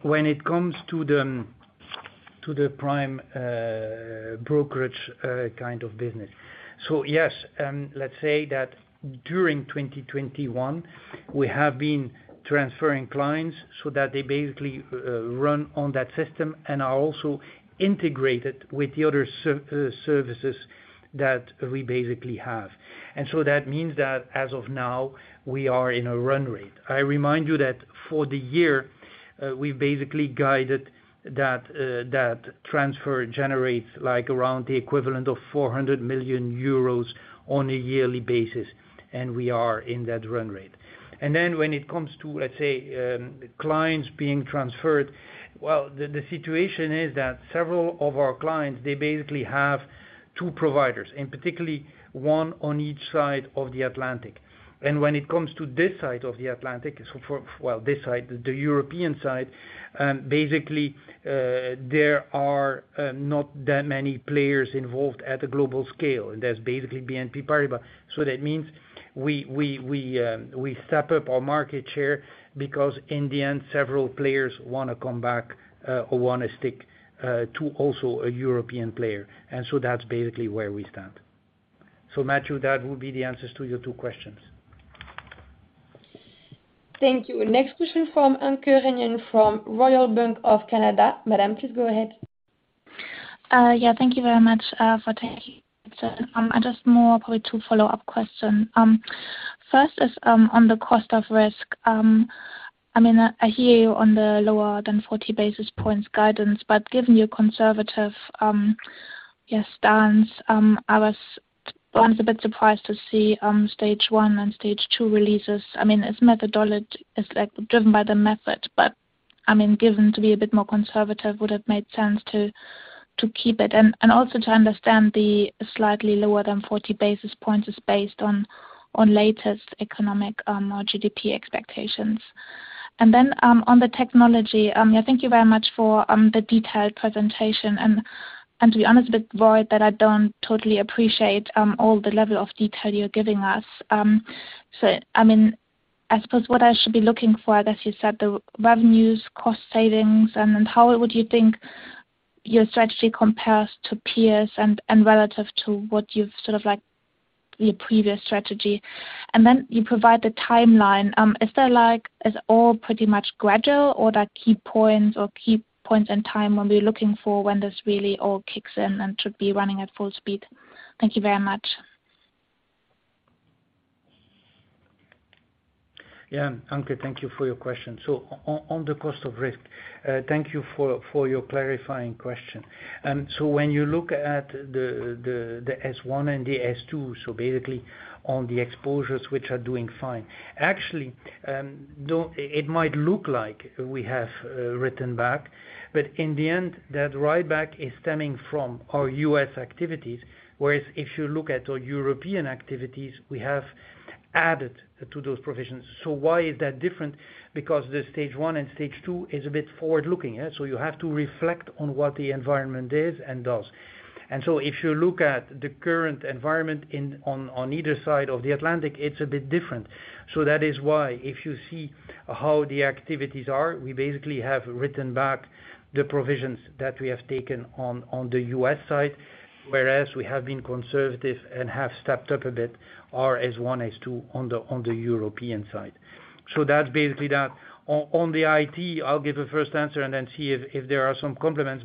When it comes to the prime brokerage kind of business, yes, let's say that during 2021 we have been transferring clients so that they basically run on that system and are also integrated with the other services that we basically have. That means that as of now, we are in a run rate. I remind you that for the year, we basically guided that that transfer generates like around the equivalent of 400 million euros on a yearly basis, and we are in that run rate. Then when it comes to, let's say, clients being transferred, well, the situation is that several of our clients, they basically have two providers, and particularly one on each side of the Atlantic. When it comes to this side of the Atlantic, well, this side, the European side, basically, there are not that many players involved at a global scale, and there's basically BNP Paribas. That means we step up our market share because in the end, several players wanna come back, or wanna stick, to also a European player. That's basically where we stand. Matthew, that would be the answers to your two questions. Thank you. Next question from Anke Reingen from Royal Bank of Canada. Madam, please go ahead. Thank you very much for taking. I just more probably two follow-up question. First is on the cost of risk. I mean, I hear you on the lower than 40 basis points guidance, but given your conservative stance, I was a bit surprised to see stage one and stage two releases. I mean, it's like driven by the method, but I mean, given to be a bit more conservative would've made sense to keep it. Also to understand the slightly lower than 40 basis points is based on latest economic or GDP expectations. On the technology, yeah, thank you very much for the detailed presentation and, to be honest, a bit worried that I don't totally appreciate all the level of detail you're giving us. I mean, I suppose what I should be looking for, as you said, the revenues, cost savings, and then how would you think your strategy compares to peers and relative to what you've sort of like your previous strategy. You provide the timeline. Is there like, is it all pretty much gradual, or are key points in time when we're looking for when this really all kicks in and should be running at full speed? Thank you very much. Yeah. Anke, thank you for your question. On the cost of risk, thank you for your clarifying question. When you look at the stage one and the stage two, basically on the exposures, which are doing fine. Actually, though it might look like we have written back, in the end that write back is stemming from our U.S. activities, whereas if you look at our European activities, we have added to those provisions. Why is that different? Because the stage one and stage two is a bit forward looking, yeah, you have to reflect on what the environment is and does. If you look at the current environment in, on, either side of the Atlantic, it's a bit different. That is why if you see how the activities are, we basically have written back the provisions that we have taken on the U.S. side, whereas we have been conservative and have stepped up a bit our stage 1, stage 2 on the European side. That's basically that. On the IT, I'll give a first answer and then see if there are some complements.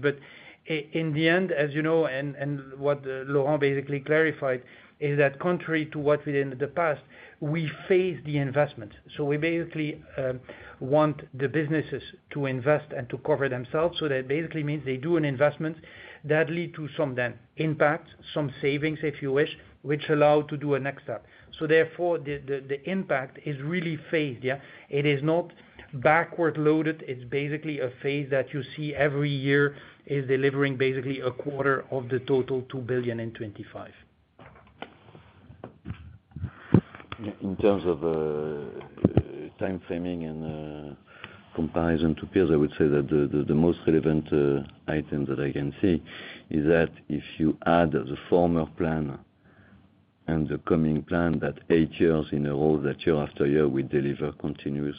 In the end, as you know, and what Laurent basically clarified is that contrary to what we did in the past, we fund the investment. We basically want the businesses to invest and to cover themselves. That basically means they do an investment that lead to some net impact, some savings if you wish, which allow to do a next step. Therefore, the impact is really phased, yeah. It is not back-loaded. It's basically a phase that you see every year, is delivering basically a quarter of the total 2 billion in 2025. In terms of time framing and comparison to peers, I would say that the most relevant item that I can see is that if you add the former plan and the coming plan, that 8 years in a row, that year after year, we deliver continuous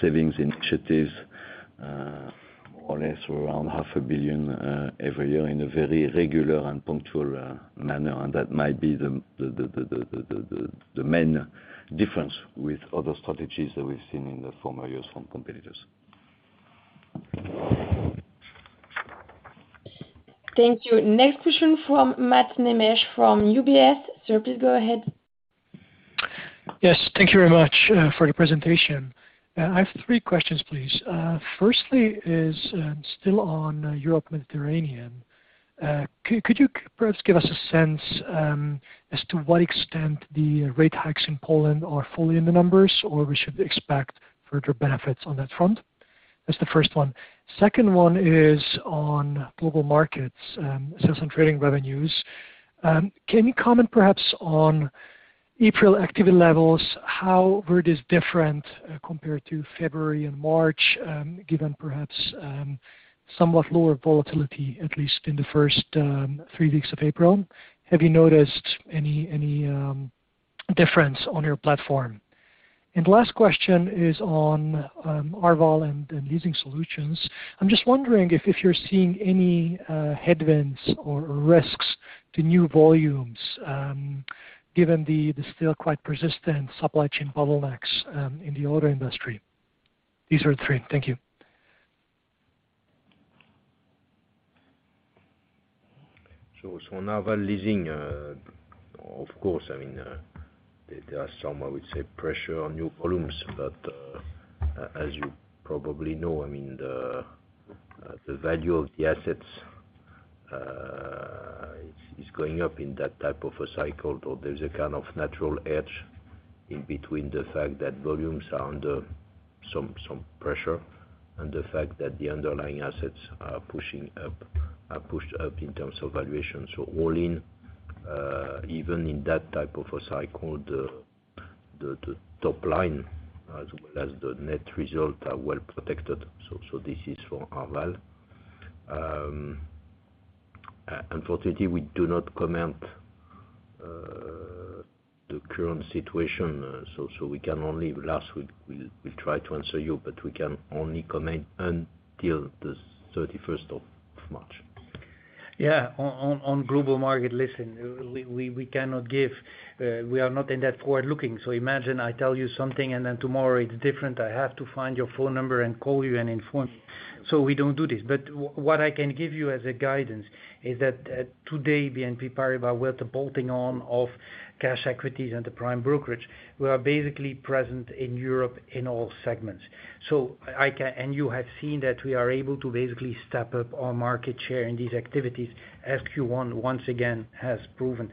savings initiatives, more or less around EUR half a billion every year in a very regular and punctual manner. That might be the main difference with other strategies that we've seen in the former years from competitors. Thank you. Next question from Mateusz Nicej from UBS. Sir, please go ahead. Yes, thank you very much for the presentation. I have three questions, please. Firstly is still on Europe, Mediterranean. Could you perhaps give us a sense as to what extent the rate hikes in Poland are fully in the numbers, or we should expect further benefits on that front? That's the first one. Second one is on Global Markets sales and trading revenues. Can you comment perhaps on April activity levels, how were this different compared to February and March, given perhaps somewhat lower volatility, at least in the first three weeks of April? Have you noticed any difference on your platform? The last question is on Arval and the leasing solutions. I'm just wondering if you're seeing any headwinds or risks to new volumes, given the still quite persistent supply chain bottlenecks, in the auto industry. These are the three. Thank you. On Arval leasing, of course, I mean, there are some pressure on new volumes. As you probably know, I mean, the value of the assets is going up in that type of a cycle. There's a kind of natural hedge in between the fact that volumes are under some pressure and the fact that the underlying assets are pushed up in terms of valuation. All in, even in that type of a cycle, the top line as well as the net result are well protected. This is for Arval. Unfortunately, we do not comment on the current situation, so we can only comment as of last week. We'll try to answer you, but we can only comment until the thirty-first of March. Yeah. On Global Markets, listen, we cannot give, we are not in that forward-looking. Imagine I tell you something, and then tomorrow it's different, I have to find your phone number and call you and inform. We don't do this. But what I can give you as a guidance is that, today, BNP Paribas with the bolting on of cash equities and the prime brokerage, we are basically present in Europe in all segments. You have seen that we are able to basically step up our market share in these activities as Q1 once again has proven.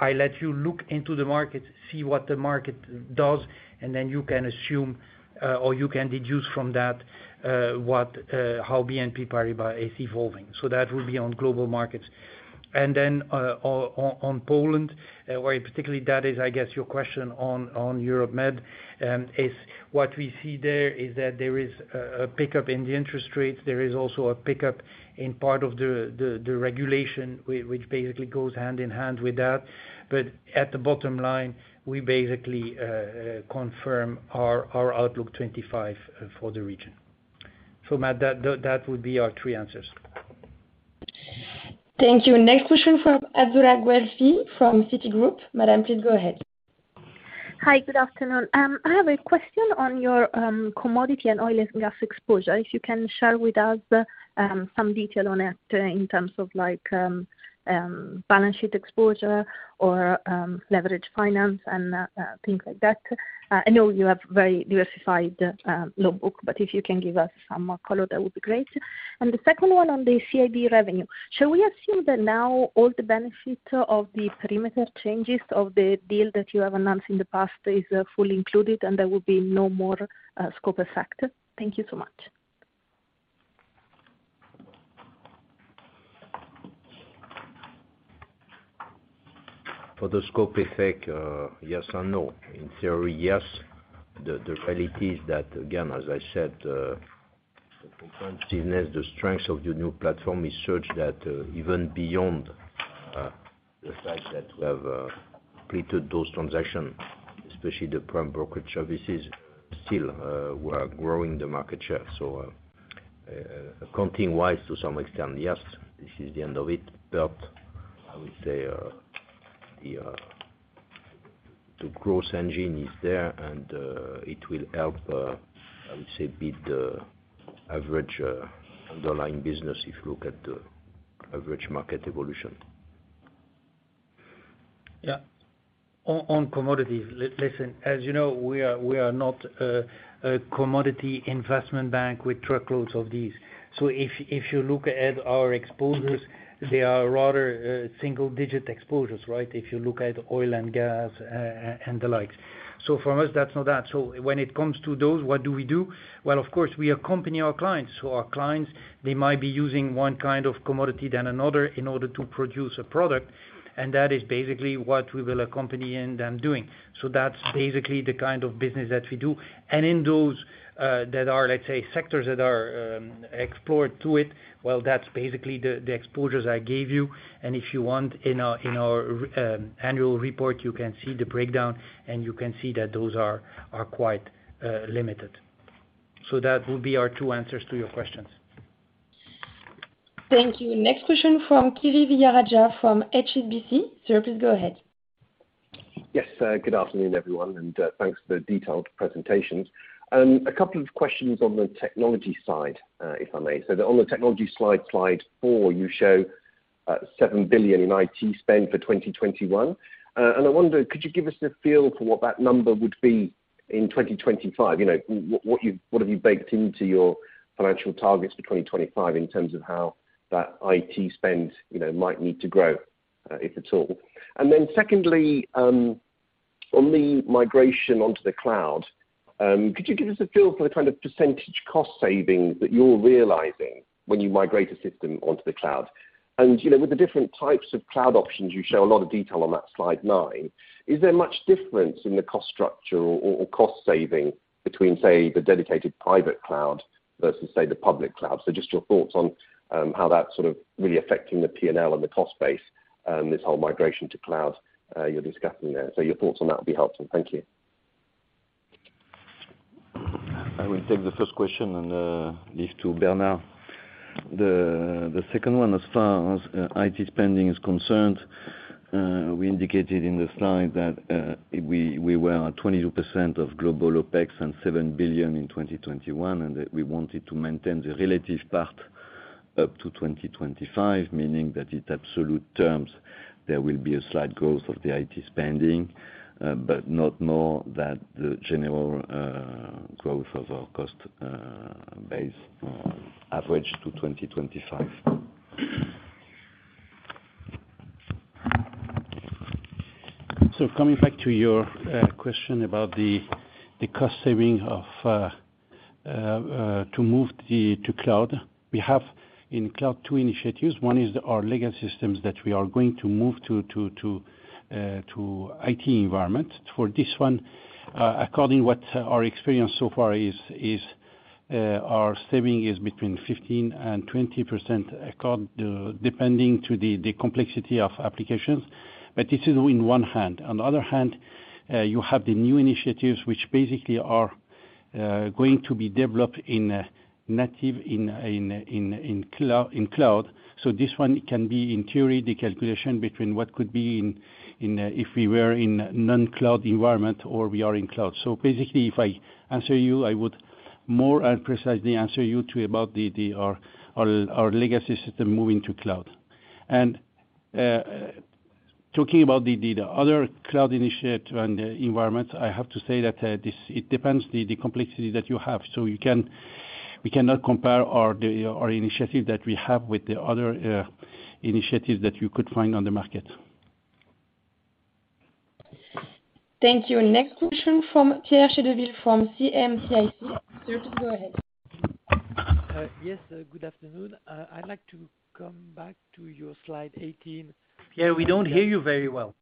I let you look into the market, see what the market does, and then you can assume, or you can deduce from that, what, how BNP Paribas is evolving. That will be on Global Markets. On Poland, where particularly that is, I guess, your question on Europe Med, is what we see there is that there is a pickup in the interest rates. There is also a pickup in part of the regulation which basically goes hand in hand with that. At the bottom line, we basically confirm our outlook 2025 for the region. Matt, that would be our three answers. Thank you. Next question from Azzurra Guelfi from Citigroup. Madam, please go ahead. Hi. Good afternoon. I have a question on your commodity and oil and gas exposure. If you can share with us some detail on it in terms of like balance sheet exposure or leverage finance and things like that. I know you have very diversified loan book, but if you can give us some more color, that would be great. The second one on the CIB revenue, shall we assume that now all the benefit of the perimeter changes of the deal that you have announced in the past is fully included, and there will be no more scope effect? Thank you so much. For the scope effect, yes and no. In theory, yes. The reality is that, again, as I said, the comprehensiveness, the strength of the new platform is such that, even beyond the fact that we have completed those transactions, especially the prime brokerage services, still, we're growing the market share. Accounting-wise, to some extent, yes, this is the end of it. I would say, the growth engine is there and, it will help, I would say, build the average underlying business if you look at the average market evolution. Yeah. On commodities, listen, as you know, we are not a commodity investment bank with truckloads of these. If you look at our exposures, they are rather single-digit exposures, right? If you look at oil and gas and the likes. For us, that's not that. When it comes to those, what do we do? Well, of course, we accompany our clients. Our clients, they might be using one kind of commodity or another in order to produce a product, and that is basically what we will accompany them in doing. That's basically the kind of business that we do. In those that are, let's say, sectors that are exposed to it, well, that's basically the exposures I gave you. If you want, in our annual report, you can see the breakdown, and you can see that those are quite limited. That would be our two answers to your questions. Thank you. Next question from Kiri Vijayarajah from HSBC. Sir, please go ahead. Yes, sir. Good afternoon, everyone, and thanks for the detailed presentations. A couple of questions on the technology side, if I may. On the technology slide four, you show 7 billion in IT spend for 2021. I wonder, could you give us a feel for what that number would be in 2025? You know, what have you baked into your financial targets for 2025 in terms of how that IT spend, you know, might need to grow, if at all? Then secondly, on the migration onto the cloud, could you give us a feel for the kind of percentage cost savings that you're realizing when you migrate a system onto the cloud? You know, with the different types of cloud options, you show a lot of detail on that slide nine, is there much difference in the cost structure or cost saving between, say, the dedicated private cloud versus, say, the public cloud? Just your thoughts on how that's sort of really affecting the P&L and the cost base and this whole migration to cloud you're discussing there. Your thoughts on that would be helpful. Thank you. I will take the first question and leave to Bernard. The second one, as far as IT spending is concerned, we indicated in the slide that we were at 22% of global OpEx and 7 billion in 2021, and that we wanted to maintain the relative part up to 2025, meaning that in absolute terms, there will be a slight growth of the IT spending, but not more than the general growth of our cost base average to 2025. Coming back to your question about the cost saving of to move to cloud. We have in cloud two initiatives. One is our legacy systems that we are going to move to IT environment. For this one, according to what our experience so far is, our saving is between 15% and 20% according to the complexity of applications. This is on one hand. On the other hand, you have the new initiatives, which basically are going to be developed in native in cloud. This one can be, in theory, the calculation between what could be in if we were in non-cloud environment or we are in cloud. Basically, if I answer you, I would more precisely answer you about our legacy system moving to cloud. Talking about the other cloud initiative and the environment, I have to say that it depends on the complexity that you have. We cannot compare our initiative that we have with the other initiatives that you could find on the market. Thank you. Next question from Pierre Chédeville from CIC Market Solutions. Sir, you can go ahead. Yes. Good afternoon. I'd like to come back to your slide 18. Pierre, we don't hear you very well.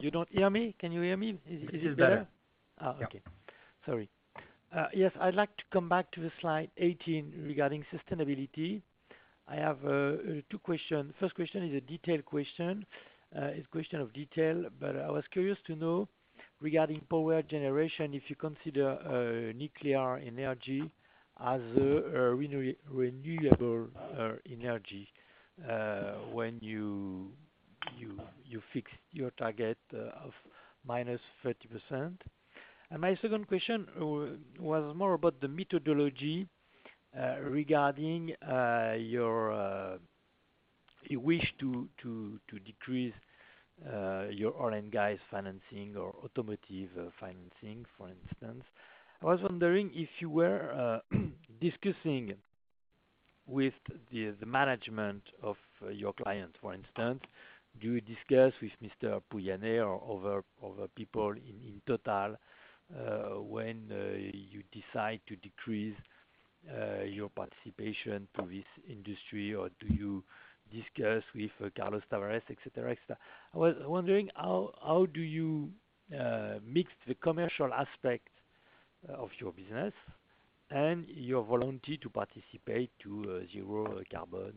You don't hear me? Can you hear me? Is it better? This is better. Oh, okay. Yeah. Sorry. Yes, I'd like to come back to the slide 18 regarding sustainability. I have two questions. First question is a detailed question. It's a question of detail, but I was curious to know regarding power generation, if you consider nuclear energy as a renewable energy when you fix your target of minus 30%. My second question was more about the methodology regarding your wish to decrease your oil and gas financing or automotive financing, for instance. I was wondering if you were discussing with the management of your clients. For instance, do you discuss with Mr. Pouyanné or other people in TotalEnergies when you decide to decrease your participation to this industry? Or do you discuss with Carlos Tavares, etc, etc? I was wondering how do you mix the commercial aspect of your business and your volunteer to participate to a zero carbon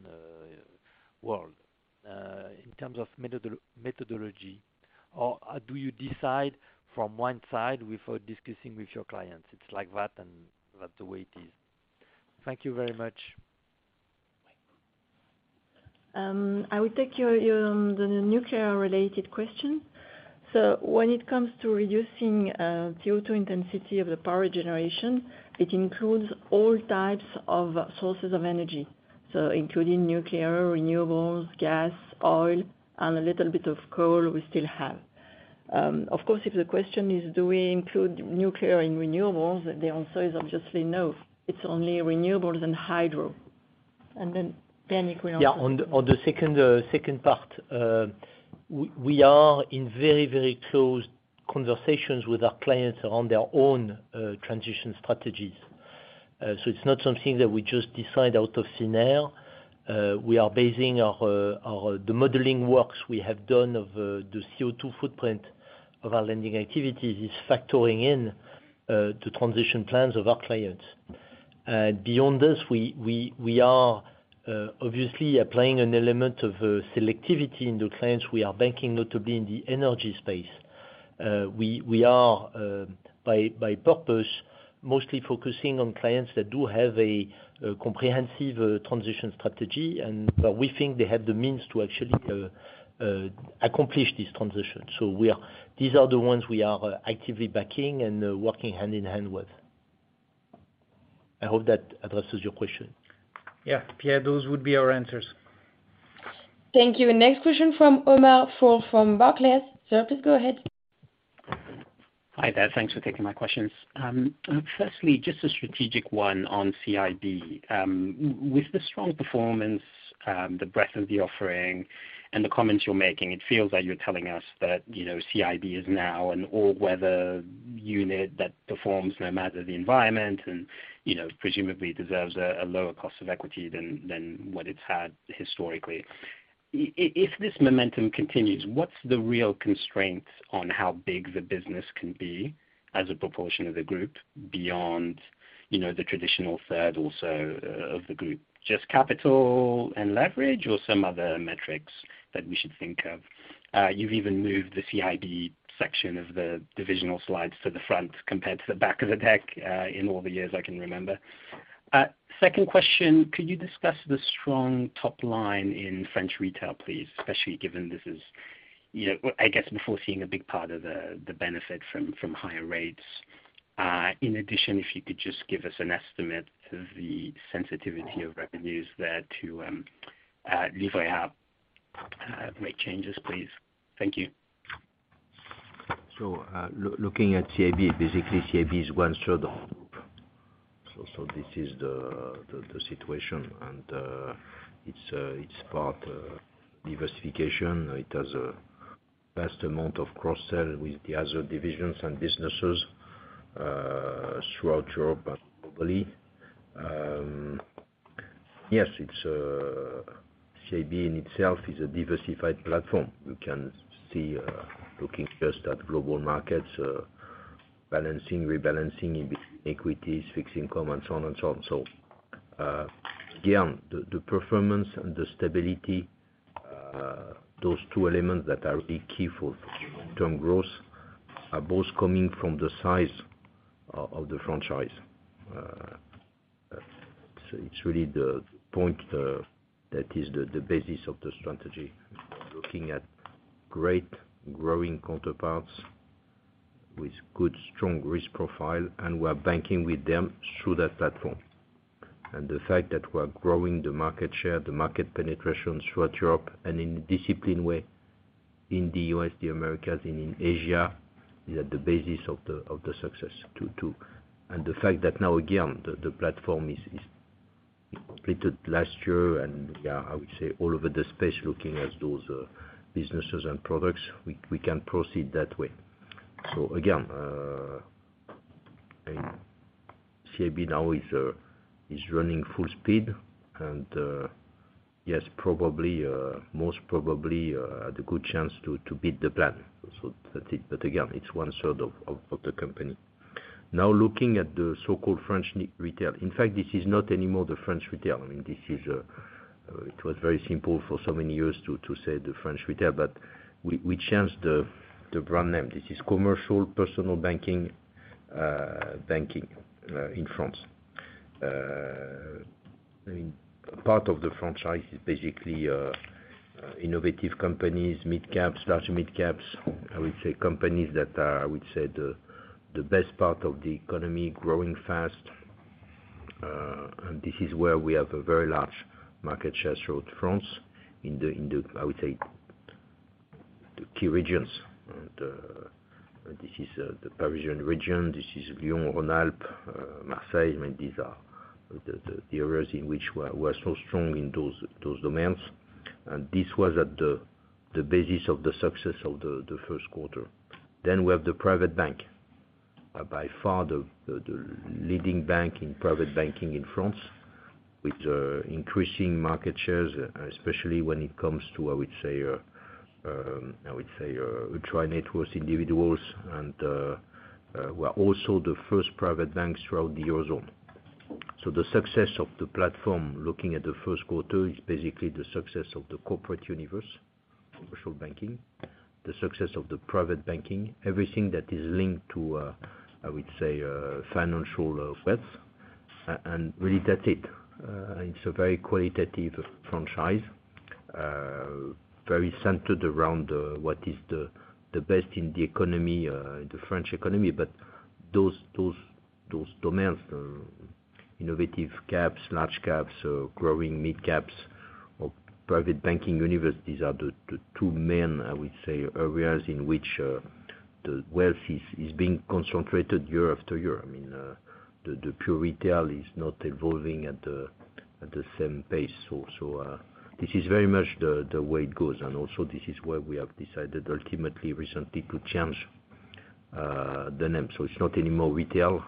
world in terms of methodology. Do you decide from one side before discussing with your clients, it's like that and that's the way it is. Thank you very much. I will take the nuclear-related question. When it comes to reducing CO2 intensity of the power generation, it includes all types of sources of energy, including nuclear, renewables, gas, oil, and a little bit of coal we still have. Of course, if the question is do we include nuclear and renewables, the answer is obviously no. It's only renewables and hydro. Then, Bernard, you answer. Yeah. On the second part, we are in very close conversations with our clients around their own transition strategies. So it's not something that we just decide out of thin air. We are basing our the modeling works we have done of the CO2 footprint of our lending activities is factoring in the transition plans of our clients. Beyond this, we are obviously applying an element of selectivity in the clients we are banking, not to be in the energy space. We are by purpose. Mostly focusing on clients that do have a comprehensive transition strategy, and we think they have the means to actually accomplish this transition. These are the ones we are actively backing and working hand-in-hand with. I hope that addresses your question. Yeah. Pierre, those would be our answers. Thank you. Next question from Omar Fall from Barclays. Sir, please go ahead. Hi there. Thanks for taking my questions. First, just a strategic one on CIB. With the strong performance, the breadth of the offering and the comments you're making, it feels like you're telling us that, you know, CIB is now an all-weather unit that performs no matter the environment and, you know, presumably deserves a lower cost of equity than what it's had historically. If this momentum continues, what's the real constraints on how big the business can be as a proportion of the group beyond, you know, the traditional third also of the group? Just capital and leverage or some other metrics that we should think of? You've even moved the CIB section of the divisional slides to the front compared to the back of the deck in all the years I can remember. Second question, could you discuss the strong top line in French Retail, please, especially given this is, you know, I guess, before seeing a big part of the benefit from higher rates. In addition, if you could just give us an estimate of the sensitivity of revenues there to Livret A rate changes, please. Thank you. Looking at CIB, basically, CIB is one-third of the group. This is the situation, and it's part of diversification. It has vast amount of cross-sell with the other divisions and businesses throughout Europe and globally. Yes, it's CIB in itself is a diversified platform. You can see, looking just at Global Markets, balancing, rebalancing between equities, fixed income, and so on. Again, the performance and the stability, those two elements that are really key for long-term growth are both coming from the size of the franchise. It's really the point that is the basis of the strategy. Looking at great growing counterparties with good, strong risk profile, and we're banking with them through that platform. The fact that we're growing the market share, the market penetration throughout Europe and in a disciplined way in the U.S., the Americas, and in Asia, is at the basis of the success too. The fact that now, again, the platform is completed last year, and we are, I would say, all over the space looking at those businesses and products, we can proceed that way. Again, CIB now is running full speed, and yes, probably, most probably, the good chance to beat the plan. That is, but again, it's one-third of the company. Now, looking at the so-called French retail. In fact, this is not any more the French retail. I mean, it was very simple for so many years to say the French retail, but we changed the brand name. This is commercial personal banking in France. I mean, part of the franchise is basically innovative companies, midcaps, large midcaps. I would say companies that are the best part of the economy, growing fast. This is where we have a very large market share throughout France in the key regions. This is the Parisian region. This is Lyon, Rhône-Alpes, Marseille. I mean, these are the areas in which we're so strong in those domains. This was at the basis of the success of the first quarter. We have the private bank, by far the leading bank in private banking in France, with increasing market shares, especially when it comes to, I would say, ultra-high net worth individuals and we are also the first private bank throughout the Eurozone. The success of the platform, looking at the first quarter, is basically the success of the corporate universe, commercial banking, the success of the private banking, everything that is linked to, I would say, financial wealth. Really that's it. It's a very qualitative franchise, very centered around what is the best in the economy, the French economy. Those domains, innovative caps, large caps, growing midcaps or private banking universe, these are the two main, I would say, areas in which the wealth is being concentrated year after year. I mean, the pure retail is not evolving at the same pace. This is very much the way it goes. This is where we have decided ultimately recently to change the name. It's not any more retail.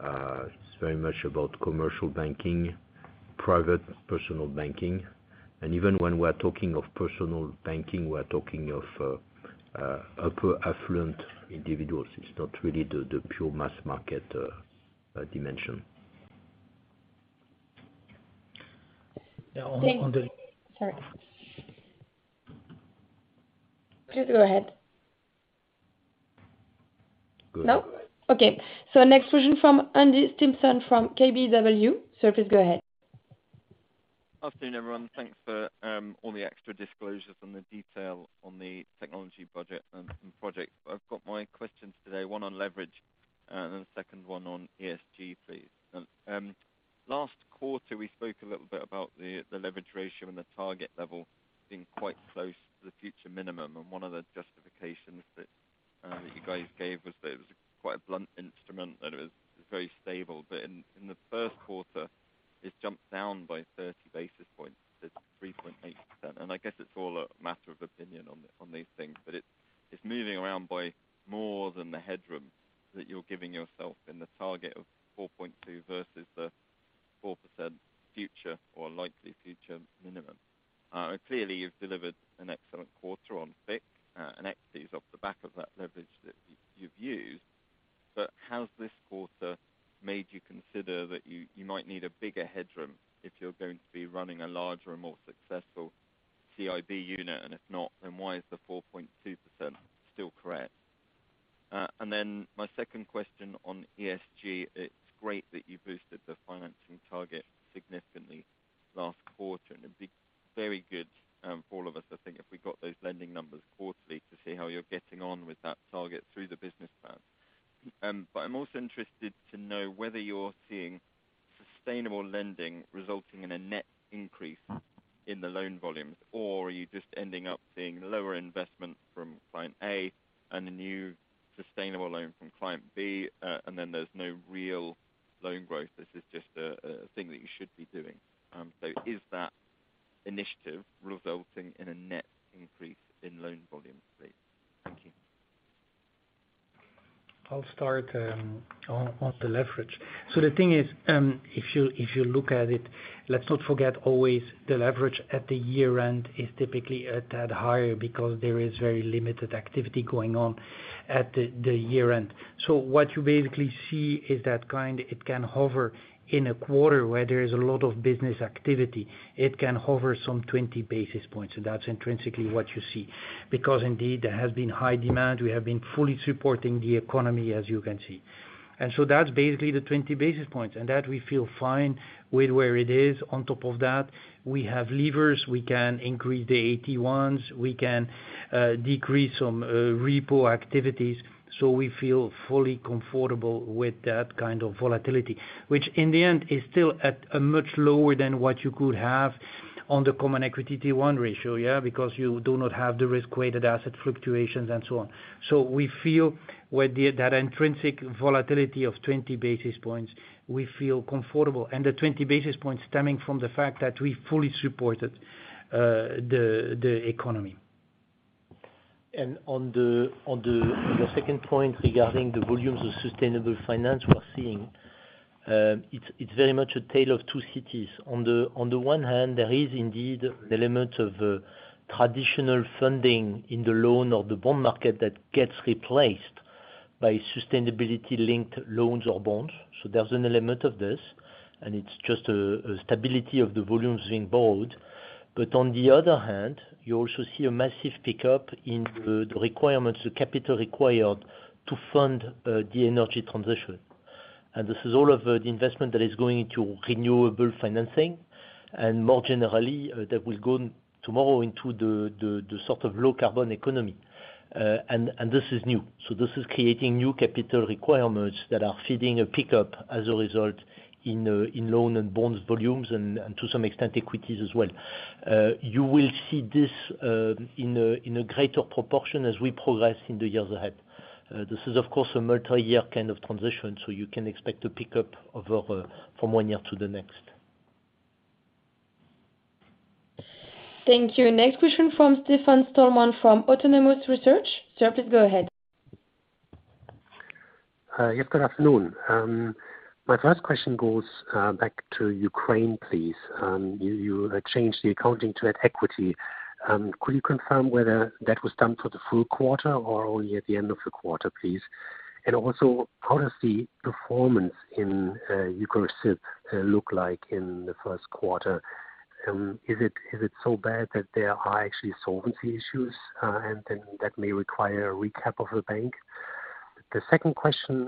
It's very much about commercial banking, private personal banking, and even when we're talking of personal banking, we're talking of upper affluent individuals. It's not really the pure mass market dimension. Yeah, on the Sorry. Please go ahead. Go ahead. No? Okay. Next question from Andrew Stimpson from KBW. Sir, please go ahead. Afternoon, everyone. Thanks for all the extra disclosures and the detail on the technology budget and project. I've got my questions today, one on leverage, and the second one on ESG, please. Last quarter, we spoke a little bit about the leverage ratio and the target level being quite close to the future minimum, and one of the justifications that you guys gave was that it was quite a blunt instrument and it was very stable. In the first quarter, it's jumped down by 30 basis points to 3.8%, and I guess it's all a matter of opinion on these things. It's moving around by more than the headroom that you're giving yourself in the target of 4.2 versus the 4% future or likely future minimum. Clearly you've delivered an excellent quarter on FICC and equities off the back of that leverage that you've used, but has this quarter made you consider that you might need a bigger headroom if you're going to be running a larger and more successful CIB unit? If not, then why is the 4.2% still correct? My second question on ESG. It's great that you boosted the financing target significantly last quarter, and it'd be very good for all of us, I think, if we got those lending numbers quarterly to see how you're getting on with that target through the business plan. I'm also interested to know whether you're seeing sustainable lending resulting in a net increase in the loan volumes, or are you just ending up seeing lower investment from client A and a new sustainable loan from client B, and then there's no real loan growth, this is just a thing that you should be doing. Is that initiative resulting in a net increase in loan volumes, please? Thank you. I'll start on the leverage. The thing is, if you look at it, let's not forget always the leverage at the year-end is typically a tad higher because there is very limited activity going on at the year-end. What you basically see is that kind, it can hover in a quarter where there is a lot of business activity, it can hover some 20 basis points. That's intrinsically what you see. Because indeed, there has been high demand, we have been fully supporting the economy, as you can see. That's basically the 20 basis points, and that we feel fine with where it is. On top of that, we have levers. We can increase the AT1s. We can decrease some repo activities, so we feel fully comfortable with that kind of volatility, which in the end is still at a much lower than what you could have on the common equity T1 ratio, yeah? Because you do not have the risk-weighted asset fluctuations and so on. We feel with that intrinsic volatility of 20 basis points, we feel comfortable, and the 20 basis points stemming from the fact that we fully supported the economy. On your second point regarding the volumes of sustainable finance we're seeing, it's very much a tale of two cities. On the one hand, there is indeed the elements of traditional funding in the loan or the bond market that gets replaced by sustainability-linked loans or bonds. So there's an element of this, and it's just a stability of the volumes being borrowed. But on the other hand, you also see a massive pickup in the requirements, the capital required to fund the energy transition. This is all of the investment that is going into renewable financing, and more generally that will go tomorrow into the sort of low carbon economy. This is new. This is creating new capital requirements that are feeding a pickup as a result in loan and bonds volumes and to some extent, equities as well. You will see this in a greater proportion as we progress in the years ahead. This is of course a multi-year kind of transition, so you can expect to pick up over from one year to the next. Thank you. Next question from Stefan Stalmann from Autonomous Research. Sir, please go ahead. Yes, good afternoon. My first question goes back to Ukraine, please. You changed the accounting to add equity. Could you confirm whether that was done for the full quarter or only at the end of the quarter, please? How does the performance in Ukrsibbank look like in the first quarter? Is it so bad that there are actually solvency issues, and then that may require a recap of the bank? The second question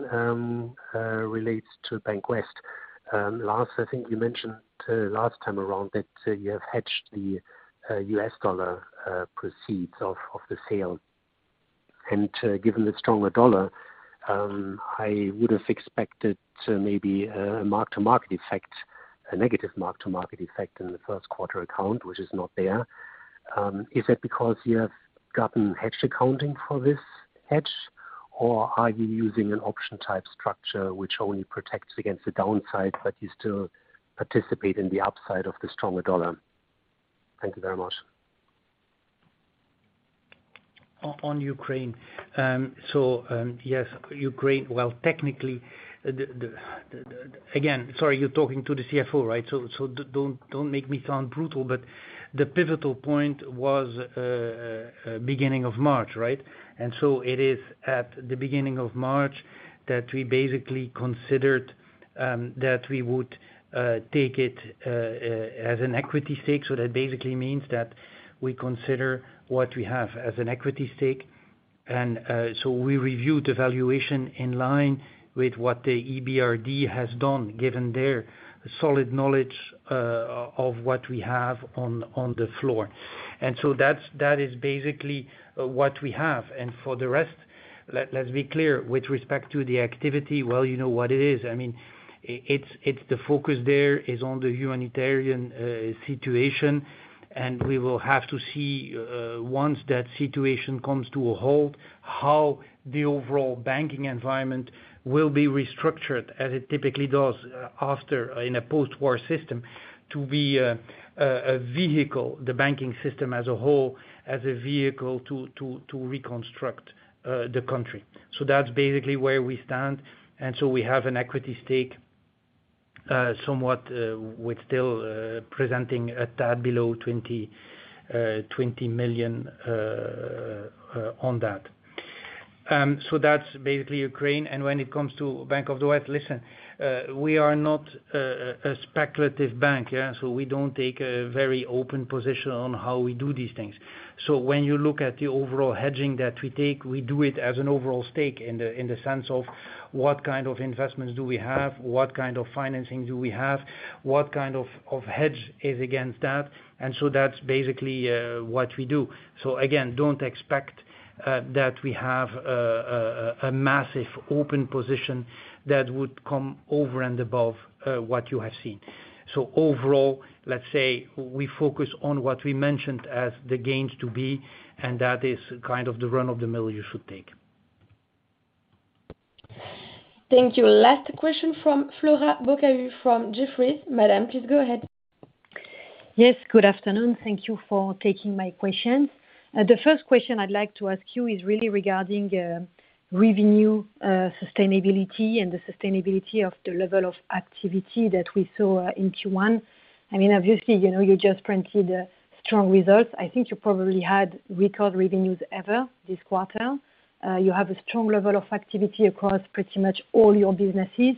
relates to Bank of the West. Last, I think you mentioned last time around that you have hedged the US dollar proceeds of the sale. Given the stronger dollar, I would've expected maybe a mark-to-market effect, a negative mark-to-market effect in the first quarter account, which is not there. Is that because you have gotten hedge accounting for this hedge, or are you using an option type structure which only protects against the downside, but you still participate in the upside of the stronger dollar? Thank you very much. On Ukraine. Yes, Ukraine, well, technically. Again, sorry, you're talking to the CFO, right? Don't make me sound brutal, but the pivotal point was beginning of March, right? It is at the beginning of March that we basically considered That we would take it as an equity stake. That basically means that we consider what we have as an equity stake. We review the valuation in line with what the EBRD has done, given their solid knowledge of what we have on the floor. That is basically what we have. For the rest, let's be clear, with respect to the activity, well, you know what it is. I mean, it's the focus there is on the humanitarian situation. We will have to see once that situation comes to a halt, how the overall banking environment will be restructured, as it typically does, after in a post-war system, to be a vehicle, the banking system as a whole, as a vehicle to reconstruct the country. That's basically where we stand. We have an equity stake somewhat with still presenting a tad below 20 million on that. That's basically Ukraine. When it comes to Bank of the West, listen, we are not a speculative bank, yeah. We don't take a very open position on how we do these things. When you look at the overall hedging that we take, we do it as an overall stake in the sense of what kind of investments do we have, what kind of financing do we have, what kind of hedge is against that. That's basically what we do. Again, don't expect that we have a massive open position that would come over and above what you have seen. Overall, let's say we focus on what we mentioned as the gains to be, and that is kind of the run-of-the-mill you should take. Thank you. Last question from Flora Bocahut from Jefferies. Madame, please go ahead. Yes, good afternoon. Thank you for taking my questions. The first question I'd like to ask you is really regarding revenue sustainability and the sustainability of the level of activity that we saw in Q1. I mean, obviously, you know, you just printed strong results. I think you probably had record revenues ever this quarter. You have a strong level of activity across pretty much all your businesses.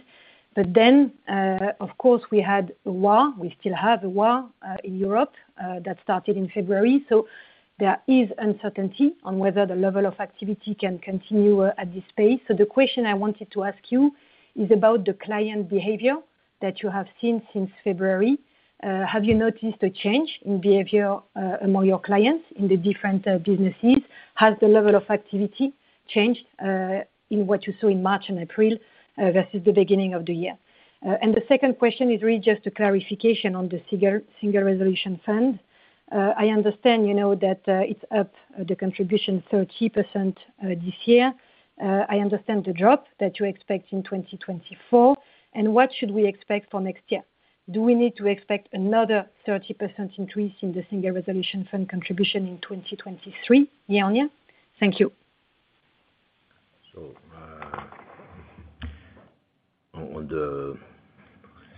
Of course, we had war, we still have a war in Europe that started in February. There is uncertainty on whether the level of activity can continue at this pace. The question I wanted to ask you is about the client behavior that you have seen since February. Have you noticed a change in behavior among your clients in the different businesses? Has the level of activity changed in what you saw in March and April versus the beginning of the year? The second question is really just a clarification on the Single Resolution Fund. I understand, you know, that it's up the contribution 30% this year. I understand the drop that you expect in 2024. What should we expect for next year? Do we need to expect another 30% increase in the Single Resolution Fund contribution in 2023 year-on-year? Thank you. On the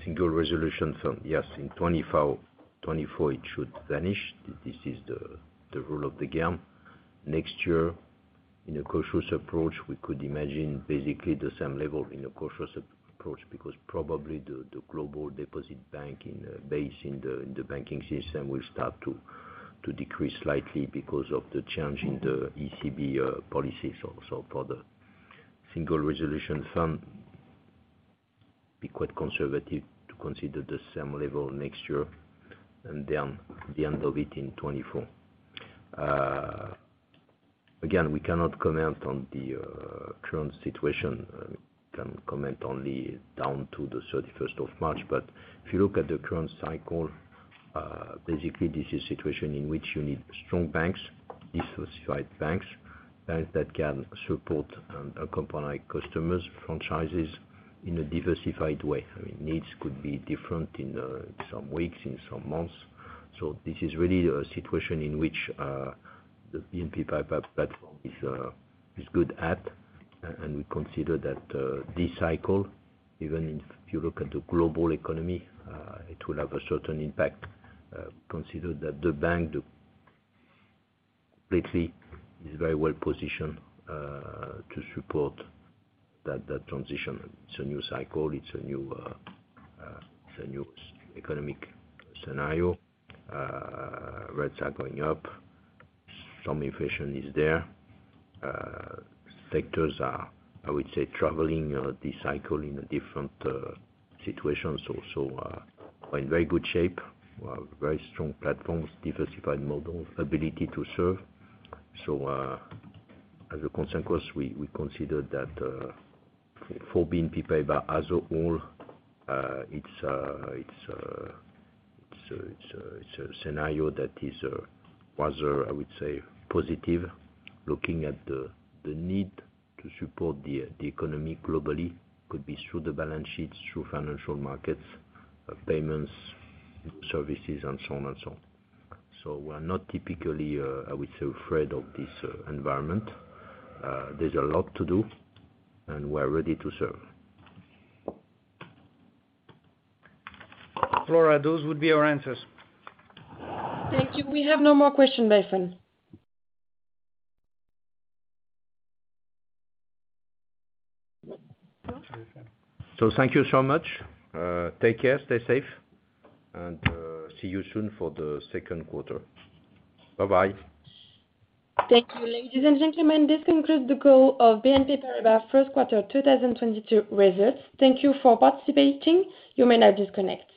Single Resolution Fund, yes, in 2024 it should vanish. This is the rule of the game. Next year, in a cautious approach, we could imagine basically the same level in a cautious approach, because probably the global deposit base in the banking system will start to decrease slightly because of the change in the ECB policy. For the Single Resolution Fund, be quite conservative to consider the same level next year and then the end of it in 2024. Again, we cannot comment on the current situation. Can only comment up to the 31st of March. If you look at the current cycle, basically this is situation in which you need strong banks, diversified banks that can support corporate customers, franchises in a diversified way. I mean, needs could be different in some weeks, in some months. This is really a situation in which the BNP Paribas platform is good at. And we consider that this cycle, even if you look at the global economy, it will have a certain impact. Consider that the bank completely is very well positioned to support that transition. It's a new cycle. It's a new economic scenario. Rates are going up. Some inflation is there. Sectors are, I would say, traversing this cycle in a different situation. So sectors are in very good shape. We have very strong platforms, diversified model, ability to serve. As a consequence, we consider that, for BNP Paribas as a whole, it's a scenario that is rather, I would say, positive, looking at the need to support the economy globally, could be through the balance sheets, through financial markets, payments, services, and so on and so on. We're not typically, I would say, afraid of this environment. There's a lot to do, and we're ready to serve. Flora, those would be our answers. Thank you. We have no more question, Nathan. Thank you so much. Take care, stay safe. See you soon for the second quarter. Bye-bye. Thank you. Ladies and gentlemen, this concludes the call of BNP Paribas first quarter 2022 results. Thank you for participating. You may now disconnect.